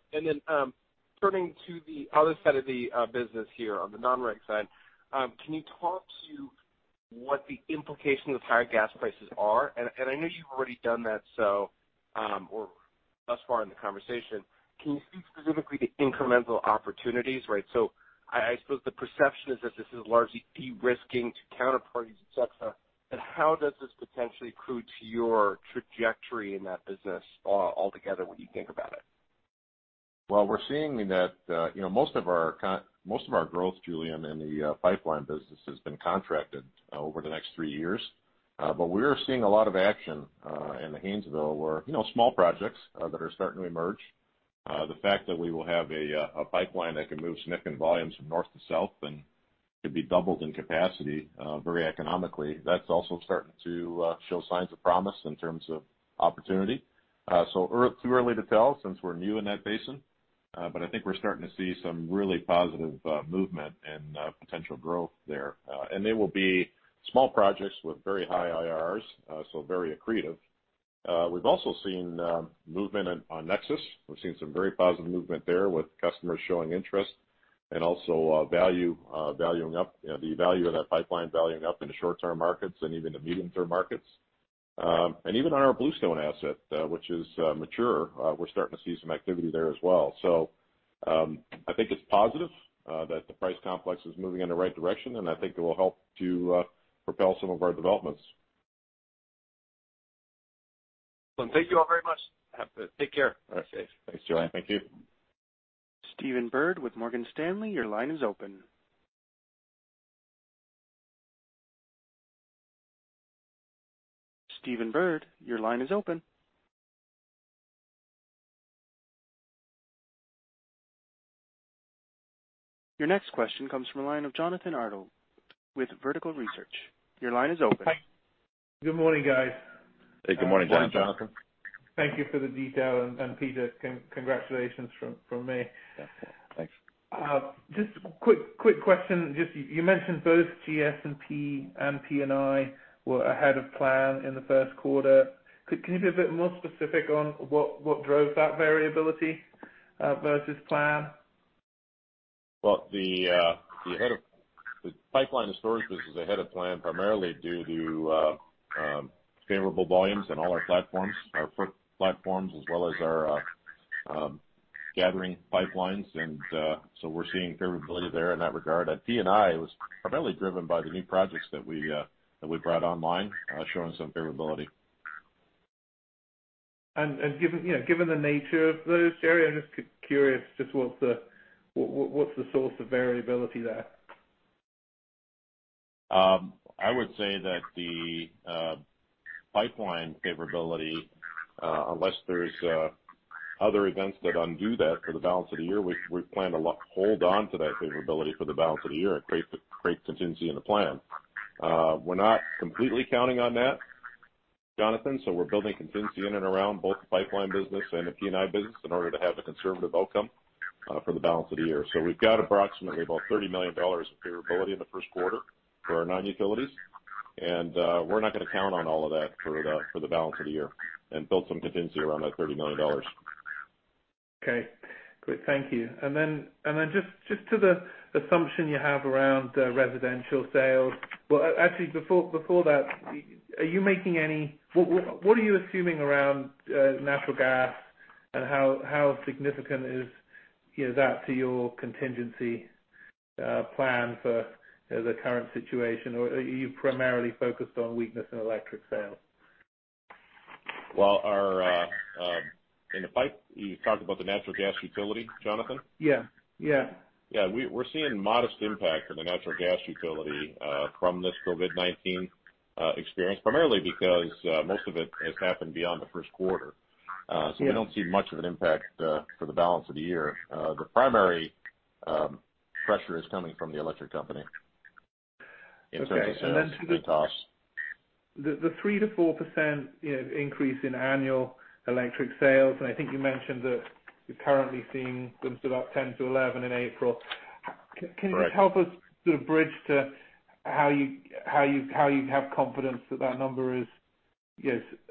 Turning to the other side of the business here on the non-reg side, can you talk to what the implications of higher gas prices are? I know you've already done that thus far in the conversation. Can you speak specifically to incremental opportunities, right? I suppose the perception is that this is largely de-risking to counterparties, et cetera. How does this potentially accrue to your trajectory in that business altogether when you think about it? Well, we're seeing that most of our growth, Julien, in the pipeline business has been contracted over the next three years. We are seeing a lot of action in the Haynesville where small projects that are starting to emerge. The fact that we will have a pipeline that can move significant volumes from north to south and could be doubled in capacity very economically, that's also starting to show signs of promise in terms of opportunity. Too early to tell since we're new in that basin. I think we're starting to see some really positive movement and potential growth there. They will be small projects with very high IRRs, so very accretive. We've also seen movement on Nexus. We've seen some very positive movement there with customers showing interest and also the value of that pipeline valuing up in the short-term markets and even the medium-term markets. Even on our Bluestone asset which is mature, we're starting to see some activity there as well. I think it's positive that the price complex is moving in the right direction, and I think it will help to propel some of our developments. Well, thank you all very much. Take care. All right. Thanks, Julien. Thank you. Stephen Byrd with Morgan Stanley, your line is open. Stephen Byrd, your line is open. Your next question comes from the line of Jonathan Arnold with Vertical Research. Your line is open. Good morning, guys. Hey, good morning, Jonathan. Good morning. Thank you for the detail, and Peter, congratulations from me. Thanks. Just quick question. You mentioned both GSP and P&I were ahead of plan in the first quarter. Can you be a bit more specific on what drove that variability versus plan? The Pipeline and Storage business is ahead of plan primarily due to favorable volumes in all our platforms, our fleet platforms, as well as our gathering pipelines. We're seeing variability there in that regard. At P&I, it was primarily driven by the new projects that we brought online, showing some variability. Given the nature of those areas, just curious just what's the source of variability there? I would say that the Pipeline favorability, unless there's other events that undo that for the balance of the year, we plan to hold on to that favorability for the balance of the year and create contingency in the plan. We're not completely counting on that, Jonathan. We're building contingency in and around both the Pipeline business and the P&I business in order to have a conservative outcome for the balance of the year. We've got approximately about $30 million of favorability in the first quarter for our non-utilities, and we're not going to count on all of that for the balance of the year and build some contingency around that $30 million. Okay, great. Thank you. Just to the assumption you have around residential sales. Well, actually, before that, what are you assuming around natural gas? How significant is that to your contingency plan for the current situation? Are you primarily focused on weakness in electric sales? Well, in the pipe, you talked about the natural gas utility, Jonathan? Yeah. We're seeing modest impact from the natural gas utility from this COVID-19 experience, primarily because most of it has happened beyond the first quarter. We don't see much of an impact for the balance of the year. The primary pressure is coming from the electric company in terms of sales and rooftops. The 3%-4% increase in annual electric sales, I think you mentioned that you're currently seeing them sort of up 10-11 in April. Right. Can you help us sort of bridge to how you have confidence that that number is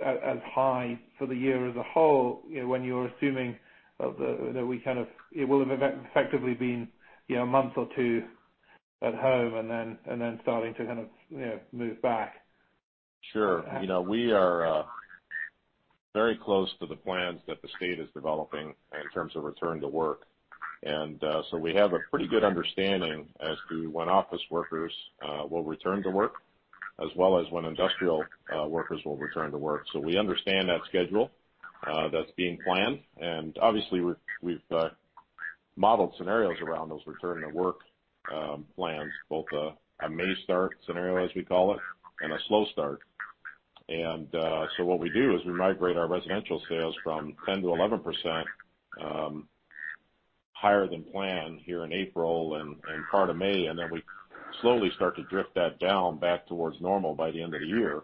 as high for the year as a whole when you're assuming that it will have effectively been a month or two at home and then starting to kind of move back? Sure. We are very close to the plans that the state is developing in terms of return to work. We have a pretty good understanding as to when office workers will return to work, as well as when industrial workers will return to work. We understand that schedule that's being planned, and obviously we've modeled scenarios around those return to work plans, both a May start scenario, as we call it, and a slow start. What we do is we migrate our residential sales from 10%-11% higher than planned here in April and part of May, and then we slowly start to drift that down back towards normal by the end of the year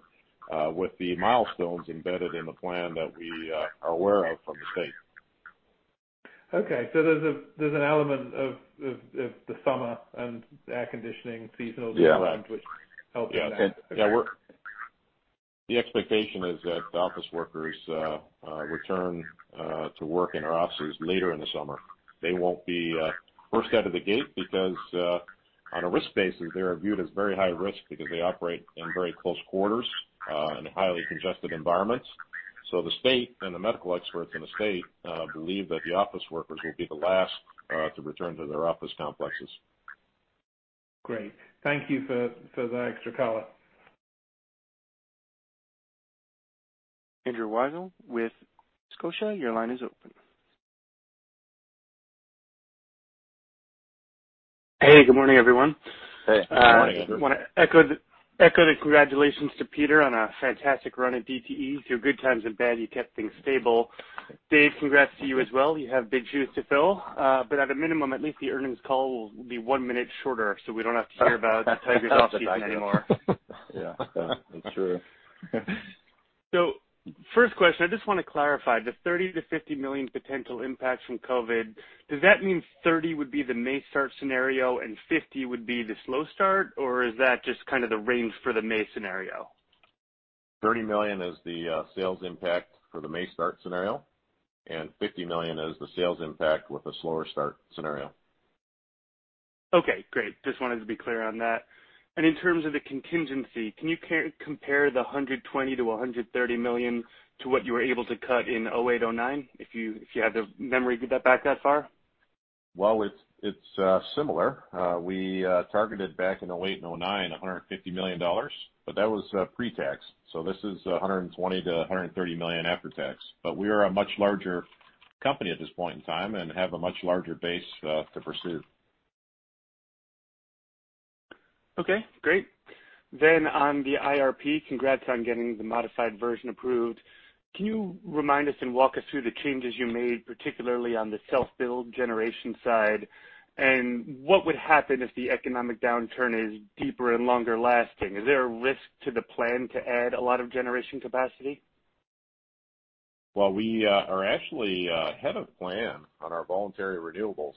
with the milestones embedded in the plan that we are aware of from the state. There's an element of the summer and air conditioning seasonal demands- Yeah. -which helps with that. Okay. Yeah. The expectation is that the office workers return to work in our offices later in the summer. They won't be first out of the gate because on a risk basis, they are viewed as very high risk because they operate in very close quarters in highly congested environments. The state and the medical experts in the state believe that the office workers will be the last to return to their office complexes. Great. Thank you for that extra color. Andrew Weisel with Scotiabank, your line is open. Hey, good morning, everyone. Hey. Good morning, Andrew. I want to echo the congratulations to Peter on a fantastic run at DTE. Through good times and bad, you kept things stable. Dave, congrats to you as well. You have big shoes to fill. At a minimum, at least the earnings call will be one minute shorter, so we don't have to hear about Tiger softball team anymore. Yeah. It's true. First question, I just want to clarify the $30 million-$50 million potential impacts from COVID. Does that mean $30 would be the May start scenario and $50 would be the slow start? Is that just kind of the range for the May scenario? $30 million is the sales impact for the May start scenario and $50 million is the sales impact with a slower start scenario. Okay, great. Just wanted to be clear on that. In terms of the contingency, can you compare the $120 million-$130 million to what you were able to cut in 2008, 2009, if you have the memory that back that far? It's similar. We targeted back in 2008 and 2009, $150 million, but that was pre-tax, so this is $120 million-$130 million after tax. We are a much larger company at this point in time and have a much larger base to pursue. Okay, great. On the IRP, congrats on getting the modified version approved. Can you remind us and walk us through the changes you made, particularly on the self-build generation side, and what would happen if the economic downturn is deeper and longer lasting? Is there a risk to the plan to add a lot of generation capacity? Well, we are actually ahead of plan on our voluntary renewables.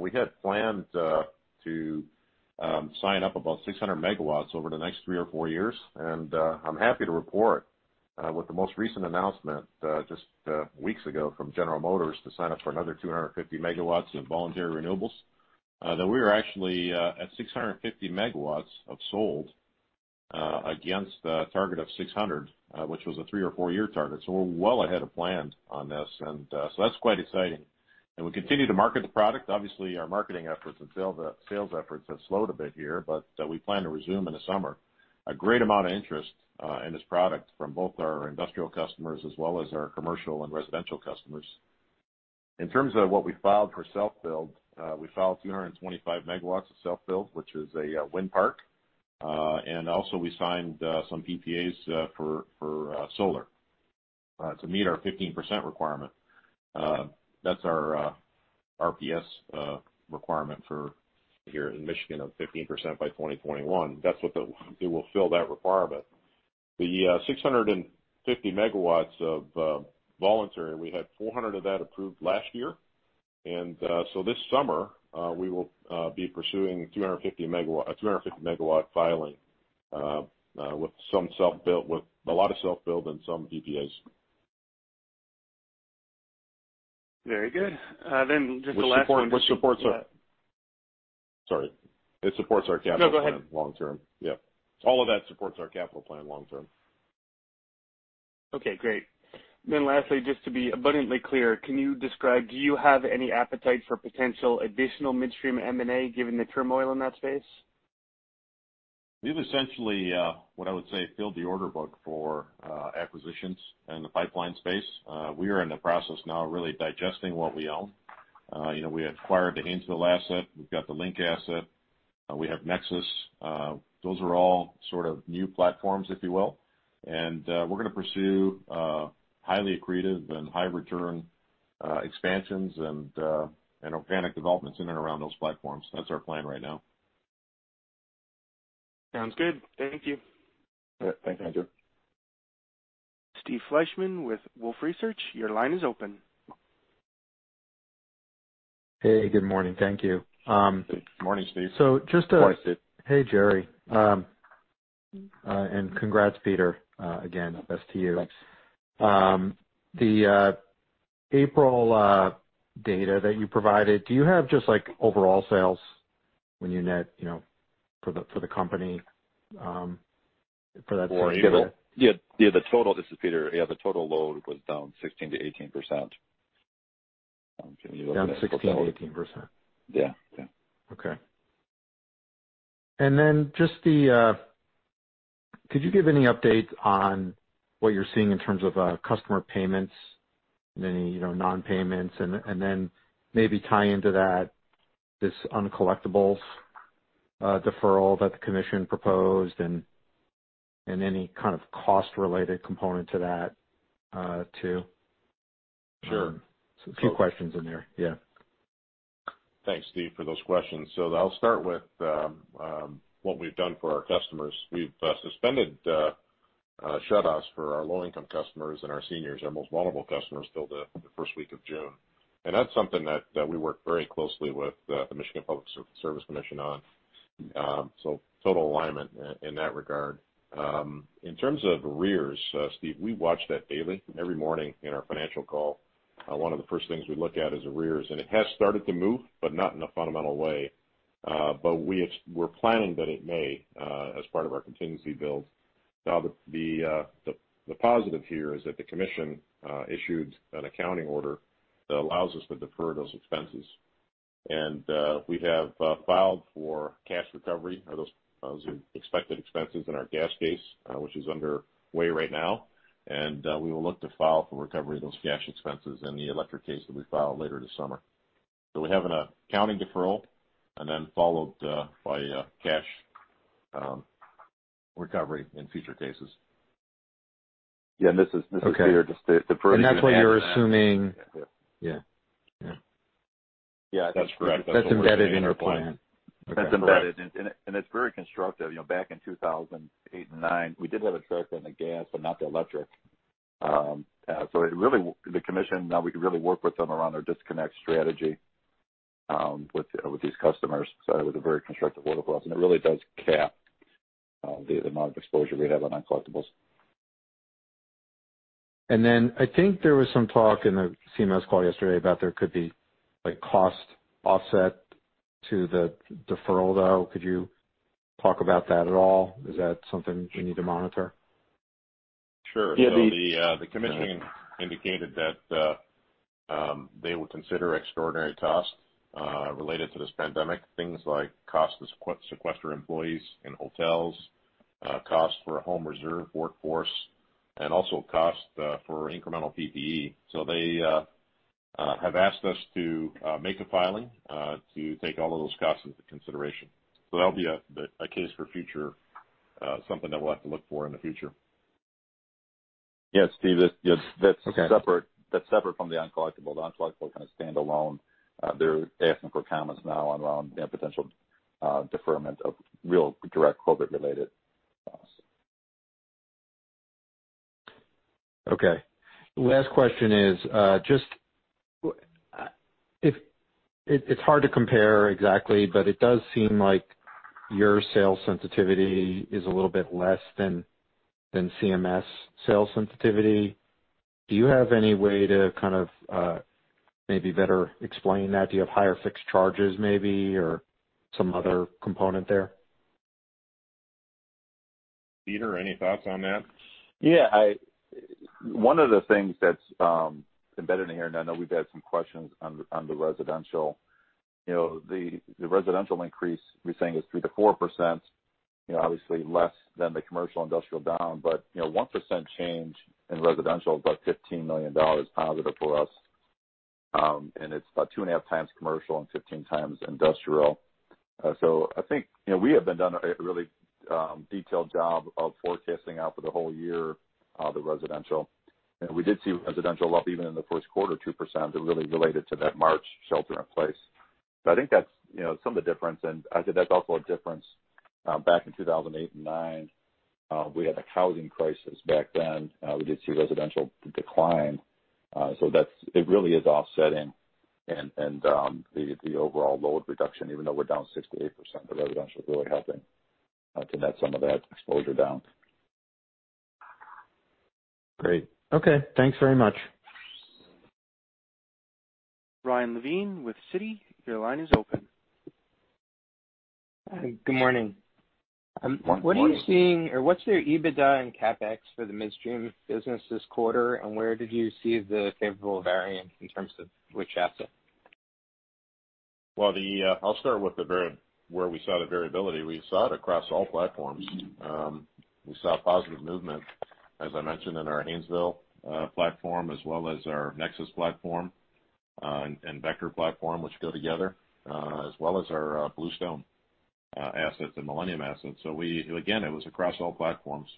We had planned to sign up about 600 megawatts over the next three or four years. I'm happy to report with the most recent announcement just weeks ago from General Motors to sign up for another 250 megawatts in voluntary renewables, that we are actually at 650 megawatts of sold against a target of 600, which was a three or four-year target. We're well ahead of plan on this. That's quite exciting. We continue to market the product. Obviously, our marketing efforts and sales efforts have slowed a bit here, we plan to resume in the summer. A great amount of interest in this product from both our industrial customers as well as our commercial and residential customers. In terms of what we filed for self-build, we filed 225 MW of self-build, which is a wind park. Also we signed some PPAs for solar to meet our 15% requirement. That's our RPS requirement here in Michigan of 15% by 2021. That's what it will fill that requirement. The 650 MW of voluntary. We had 400 of that approved last year. This summer, we will be pursuing a 350 MW filing with a lot of self-build and some PPAs. Very good. Just the last one. Sorry. It supports our capital plan long term. No, go ahead. Yeah. All of that supports our capital plan long term. Okay, great. Lastly, just to be abundantly clear, can you describe, do you have any appetite for potential additional midstream M&A, given the turmoil in that space? We've essentially, what I would say, filled the order book for acquisitions in the pipeline space. We are in the process now of really digesting what we own. We acquired the Haynesville asset. We've got the Link asset. We have NEXUS. Those are all sort of new platforms, if you will. We're going to pursue highly accretive and high-return expansions and organic developments in and around those platforms. That's our plan right now. Sounds good. Thank you. All right. Thank you. Steve Fleishman with Wolfe Research. Your line is open. Hey, good morning. Thank you. Good morning, Steve. Hey, Jerry. Congrats, Peter, again. Best to you. Thanks. The April data that you provided, do you have just overall sales when you net for the company for that same quarter? This is Peter. Yeah, the total load was down 16%-18%, when you look at. Down 16%, 18%? Yeah. Okay. Could you give any updates on what you're seeing in terms of customer payments and any non-payments? Maybe tie into that this uncollectibles deferral that the Commission proposed and any kind of cost-related component to that too? Sure. Two questions in there. Yeah. Thanks, Steve, for those questions. I'll start with what we've done for our customers. We've suspended shutoffs for our low-income customers and our seniors, our most vulnerable customers, till the first week of June. That's something that we work very closely with the Michigan Public Service Commission on. Total alignment in that regard. In terms of arrears, Steve, we watch that daily. Every morning in our financial call, one of the first things we look at is arrears. It has started to move, but not in a fundamental way. We're planning that it may as part of our contingency build. The positive here is that the commission issued an accounting order that allows us to defer those expenses. We have filed for cash recovery of those expected expenses in our gas case, which is under way right now. We will look to file for recovery of those cash expenses in the electric case that we file later this summer. We have an accounting deferral and then followed by cash recovery in future cases. Yeah. This is Peter. [CROSSTALK] That's what you're assuming- Yeah. Yeah. Yeah, that's correct. That's embedded in our plan? Okay. That's embedded, it's very constructive. Back in 2008 and 2009, we did have a deferral in the DTE Gas but not the DTE Electric. The Commission, now we can really work with them around their disconnect strategy with these customers. It was a very constructive order for us, and it really does cap the amount of exposure we'd have on uncollectibles. I think there was some talk in the CMS Energy call yesterday about there could be cost offset to the deferral, though. Could you talk about that at all? Is that something we need to monitor? Sure. The commission indicated that they would consider extraordinary costs related to this pandemic, things like cost to sequester employees in hotels, costs for a home reserve workforce, and also costs for incremental PPE. They have asked us to make a filing to take all of those costs into consideration. That'll be a case for future, something that we'll have to look for in the future. Yeah, Steve, that's separate from the uncollectible. The uncollectible kind of stand alone. They're asking for comments now around potential deferment of real direct COVID-related costs. Okay. Last question is, it's hard to compare exactly, but it does seem like your sales sensitivity is a little bit less than CMS sales sensitivity. Do you have any way to kind of maybe better explain that? Do you have higher fixed charges maybe or some other component there? Peter, any thoughts on that? Yeah. One of the things that's embedded in here, and I know we've had some questions on the residential. The residential increase we're saying is 3%-4%, obviously less than the commercial industrial down. 1% change in residential is about $15 million positive for us, and it's about two and a half times commercial and 15 times industrial. I think we have done a really detailed job of forecasting out for the whole year, the residential. We did see residential up even in the first quarter, 2%, that really related to that March shelter in place. I think that's some of the difference. I think that's also a difference back in 2008 and 2009, we had a housing crisis back then. We did see residential decline. It really is offsetting and the overall load reduction, even though we're down 6%-8%, the residential is really helping to net some of that exposure down. Great. Okay. Thanks very much. Ryan Levine with Citi, your line is open. Good morning. Morning. What's your EBITDA and CapEx for the midstream business this quarter and where did you see the favorable variance in terms of which asset? Well, I'll start with where we saw the variability. We saw it across all platforms. We saw positive movement, as I mentioned, in our Haynesville platform as well as our Nexus platform and Vector platform, which go together, as well as our Bluestone assets and Millennium assets. Again, it was across all platforms.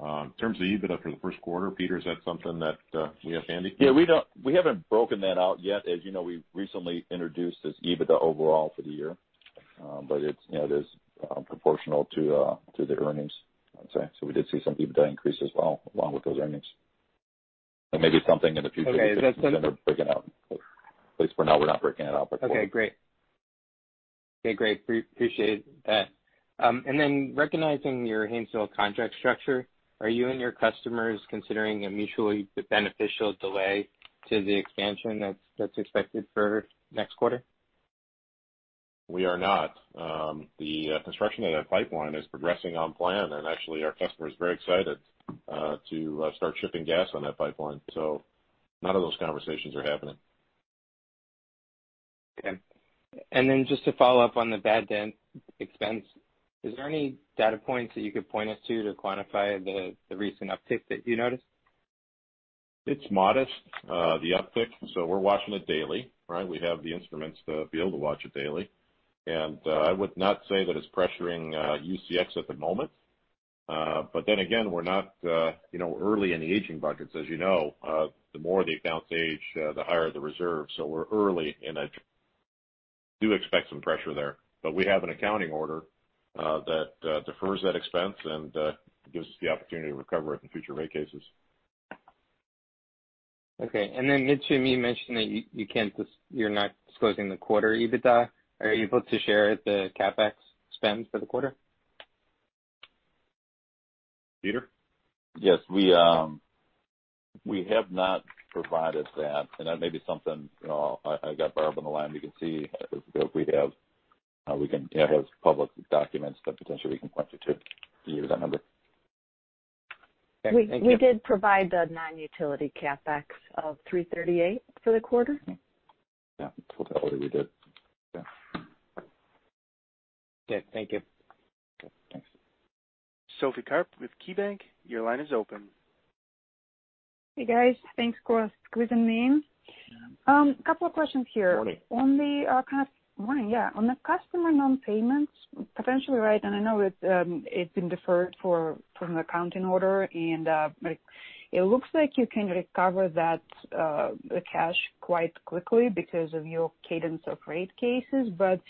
In terms of EBITDA for the first quarter, Peter, is that something that we have handy? Yeah, we haven't broken that out yet. As you know, we recently introduced this EBITDA overall for the year. It is proportional to the earnings, I'd say. We did see some EBITDA increase as well, along with those earnings. Okay. [CROSSTALK] - that we consider breaking out. At least for now, we're not breaking it out by quarter. Okay, great. Appreciate that. Recognizing your Haynesville contract structure, are you and your customers considering a mutually beneficial delay to the expansion that's expected for next quarter? We are not. The construction of that pipeline is progressing on plan. Actually, our customer is very excited to start shipping gas on that pipeline. None of those conversations are happening. Okay. Just to follow up on the bad debt expense, is there any data points that you could point us to quantify the recent uptick that you noticed? It's modest, the uptick. We're watching it daily. We have the instruments to be able to watch it daily. I would not say that it's pressuring UCX at the moment. Again, we're not early in the aging buckets. As you know, the more the accounts age, the higher the reserve. We're early in it. Do expect some pressure there. We have an accounting order that defers that expense and gives us the opportunity to recover it in future rate cases. Okay. Midstream, you mentioned that you're not disclosing the quarter EBITDA. Are you able to share the CapEx spend for the quarter? Peter? Yes. We have not provided that. That may be something, I got Barb on the line, we can see if we have public documents that potentially we can point you to give you that number. Thank you. We did provide the non-utility CapEx of $338 for the quarter. Yeah. For that quarter, we did. Yeah. Okay. Thank you. Okay. Thanks. Sophie Karp with KeyBank, your line is open. Hey, guys. Thanks for squeezing me in. Couple of questions here. Morning. Morning, yeah. On the customer nonpayments, potentially, right, I know it's been deferred from an accounting order, and it looks like you can recover that cash quite quickly because of your cadence of rate cases. Just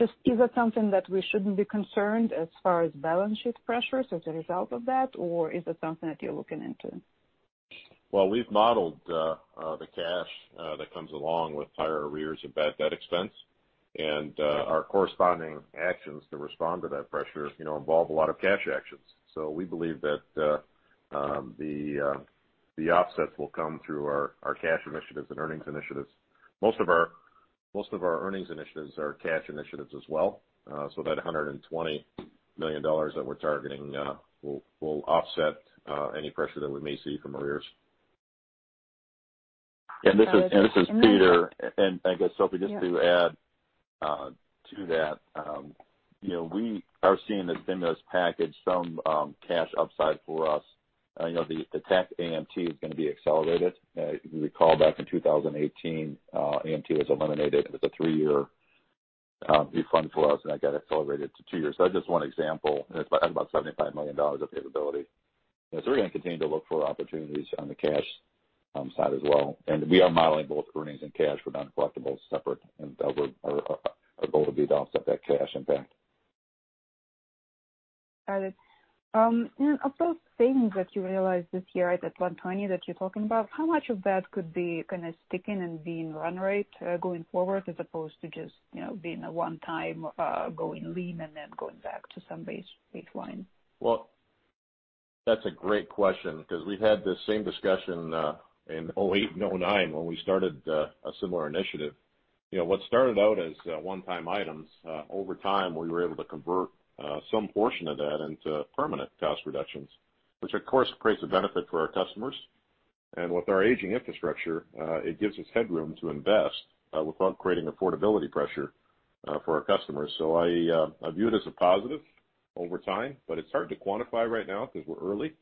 is it something that we shouldn't be concerned as far as balance sheet pressures as a result of that, or is it something that you're looking into? We've modeled the cash that comes along with higher arrears and bad debt expense, and our corresponding actions to respond to that pressure involve a lot of cash actions. We believe that the offsets will come through our cash initiatives and earnings initiatives. Most of our earnings initiatives are cash initiatives as well. That $120 million that we're targeting will offset any pressure that we may see from arrears. This is Peter. I guess, Sophie, just to add to that, we are seeing that BIM has packaged some cash upside for us. The tax AMT is going to be accelerated. If you recall back in 2018, AMT was eliminated with a three-year refund for us, and that got accelerated to two years. That's just one example. That's about $75 million of capability. We're going to continue to look for opportunities on the cash side as well. We are modeling both earnings and cash for non-collectibles separate, and our goal would be to offset that cash impact. Got it. Of those savings that you realized this year, that $120 that you're talking about, how much of that could be kind of sticking and being run rate going forward as opposed to just being a one-time going lean and then going back to some baseline? Well, that's a great question because we had this same discussion in 2008 and 2009 when we started a similar initiative. What started out as one-time items, over time, we were able to convert some portion of that into permanent cost reductions, which of course creates a benefit for our customers. With our aging infrastructure, it gives us headroom to invest without creating affordability pressure for our customers. I view it as a positive over time, but it's hard to quantify right now because we're early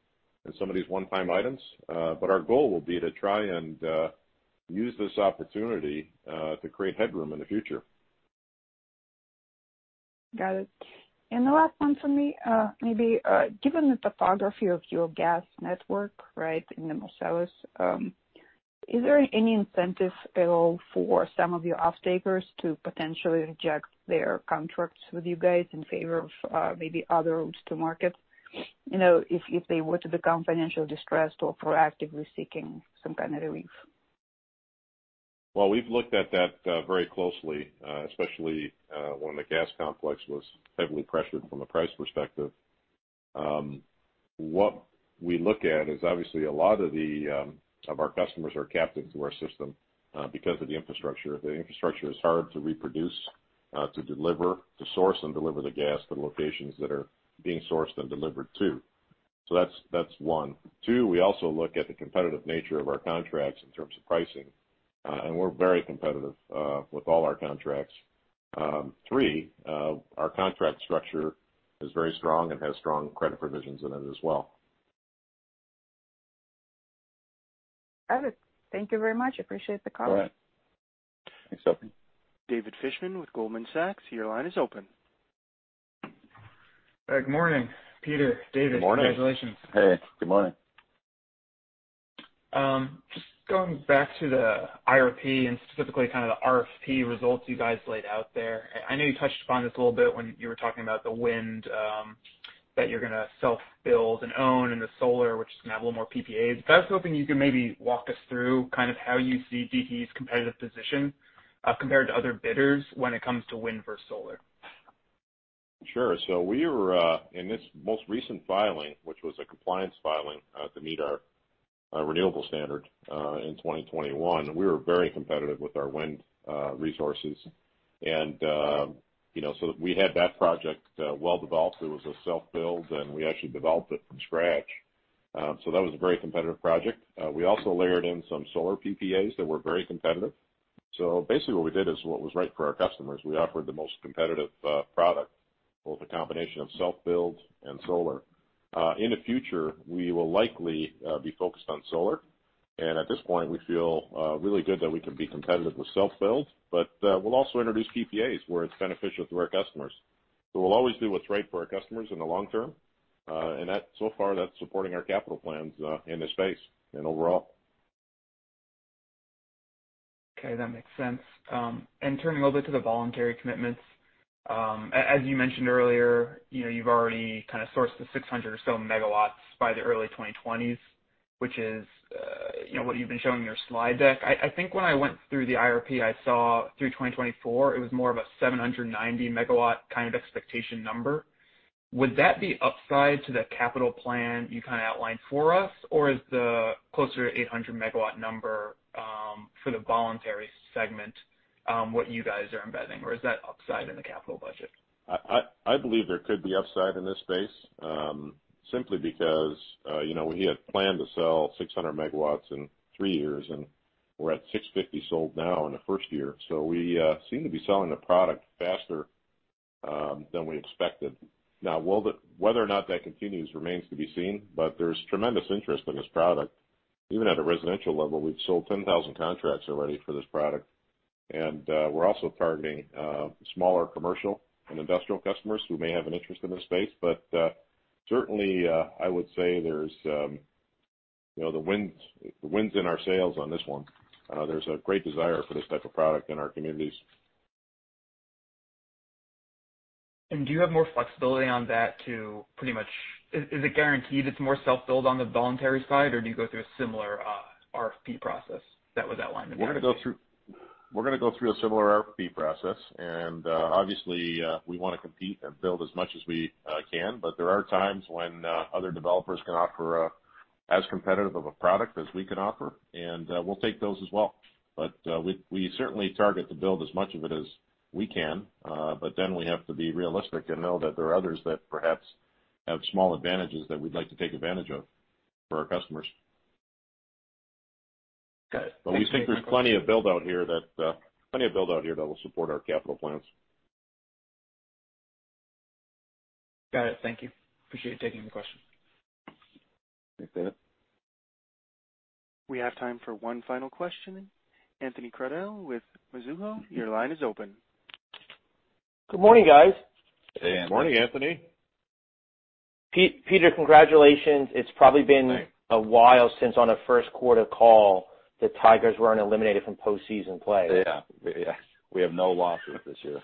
in some of these one-time items. Our goal will be to try and use this opportunity to create headroom in the future. Got it. The last one for me, maybe, given the topography of your gas network, right, in the Marcellus, is there any incentive at all for some of your off-takers to potentially reject their contracts with you guys in favor of maybe other routes to market? If they were to become financially distressed or proactively seeking some kind of relief. Well, we've looked at that very closely, especially when the gas complex was heavily pressured from a price perspective. What we look at is obviously, a lot of our customers are captive to our system because of the infrastructure. The infrastructure is hard to reproduce, to deliver, to source and deliver the gas to the locations that are being sourced and delivered to. That's one. Two, we also look at the competitive nature of our contracts in terms of pricing. We're very competitive with all our contracts. Three, our contract structure is very strong and has strong credit provisions in it as well. Got it. Thank you very much. Appreciate the call. All right. Thanks, Sophie. David Fishman with Goldman Sachs, your line is open. Good morning, Peter, David. Good morning. Congratulations. Hey, good morning. Just going back to the IRP and specifically kind of the RFP results you guys laid out there. I know you touched upon this a little bit when you were talking about the wind that you're going to self-build and own, and the solar, which is going to have a little more PPAs. I was hoping you could maybe walk us through kind of how you see DTE's competitive position, compared to other bidders when it comes to wind versus solar? Sure. We were, in this most recent filing, which was a compliance filing to meet our renewable standard in 2021, we were very competitive with our wind resources. We had that project well-developed. It was a self-build, and we actually developed it from scratch. That was a very competitive project. We also layered in some solar PPAs that were very competitive. Basically what we did is what was right for our customers. We offered the most competitive product, both a combination of self-build and solar. In the future, we will likely be focused on solar. At this point, we feel really good that we can be competitive with self-build, but we'll also introduce PPAs where it's beneficial to our customers. We'll always do what's right for our customers in the long term. So far, that's supporting our capital plans in this space and overall. Okay, that makes sense. Turning a little bit to the voluntary commitments. As you mentioned earlier, you've already kind of sourced the 600 or so megawatts by the early 2020s, which is what you've been showing in your slide deck. I think when I went through the IRP, I saw through 2024 it was more of a 790 megawatt kind of expectation number. Would that be upside to the capital plan you kind of outlined for us? Is the closer to 800 megawatt number for the voluntary segment what you guys are embedding? Is that upside in the capital budget? I believe there could be upside in this space, simply because we had planned to sell 600 megawatts in three years, we're at 650 sold now in the first year. We seem to be selling the product faster than we expected. Whether or not that continues remains to be seen. There's tremendous interest in this product. Even at a residential level, we've sold 10,000 contracts already for this product. We're also targeting smaller commercial and industrial customers who may have an interest in this space. Certainly, I would say the wind's in our sails on this one. There's a great desire for this type of product in our communities. Do you have more flexibility on that? Is it guaranteed it's more self-build on the voluntary side, or do you go through a similar RFP process that was outlined? We're going to go through a similar RFP process. Obviously, we want to compete and build as much as we can. There are times when other developers can offer as competitive of a product as we can offer, and we'll take those as well. We certainly target to build as much of it as we can, but then we have to be realistic and know that there are others that perhaps have small advantages that we'd like to take advantage of for our customers. Got it. We think there's plenty of build-out here that will support our capital plans. Got it. Thank you. Appreciate you taking the question. Thanks, David. We have time for one final question. Anthony Crowdell with Mizuho, your line is open. Good morning, guys. Hey, Anthony. Morning, Anthony. Peter, congratulations. Thanks. It's probably been a while since on a first quarter call, the Tigers weren't eliminated from postseason play. Yeah. We have no losses this year.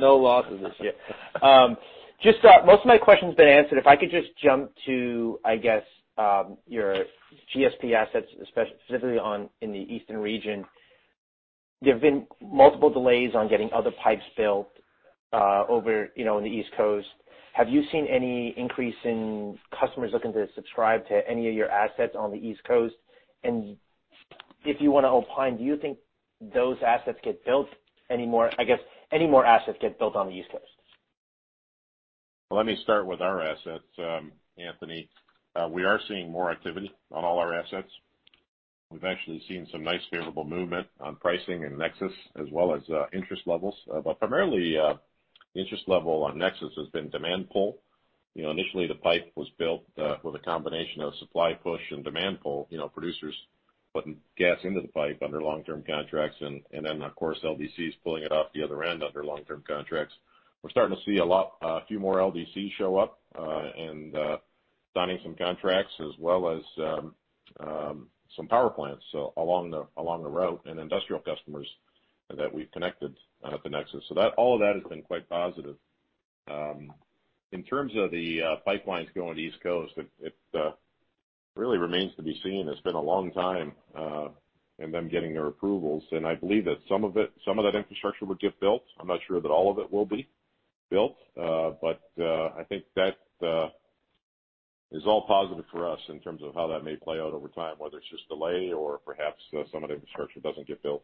No losses this year. Most of my question's been answered. If I could just jump to, I guess, your GSP assets, specifically in the eastern region. There have been multiple delays on getting other pipes built over in the East Coast. Have you seen any increase in customers looking to subscribe to any of your assets on the East Coast? If you want to opine, I guess, any more assets get built on the East Coast? Let me start with our assets, Anthony. We are seeing more activity on all our assets. We've actually seen some nice favorable movement on pricing and NEXUS as well as interest levels. Primarily, interest level on NEXUS has been demand pull. Initially, the pipe was built with a combination of supply push and demand pull. Producers putting gas into the pipe under long-term contracts and then, of course, LDCs pulling it off the other end under long-term contracts. We're starting to see a few more LDCs show up and signing some contracts, as well as some power plants along the route and industrial customers that we've connected at the NEXUS. All of that has been quite positive. In terms of the pipelines going East Coast, it really remains to be seen. It's been a long time, and them getting their approvals. I believe that some of that infrastructure will get built. I'm not sure that all of it will be built. I think that is all positive for us in terms of how that may play out over time, whether it's just delay or perhaps some of the infrastructure doesn't get built.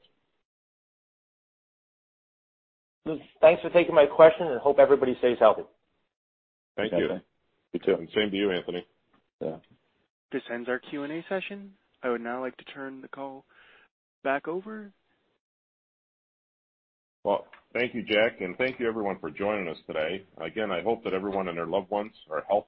Thanks for taking my question and hope everybody stays healthy. Thank you. You too, and same to you, Anthony. Yeah. This ends our Q&A session. I would now like to turn the call back over. Thank you, Jack, and thank you everyone for joining us today. Again, I hope that everyone and their loved ones are healthy.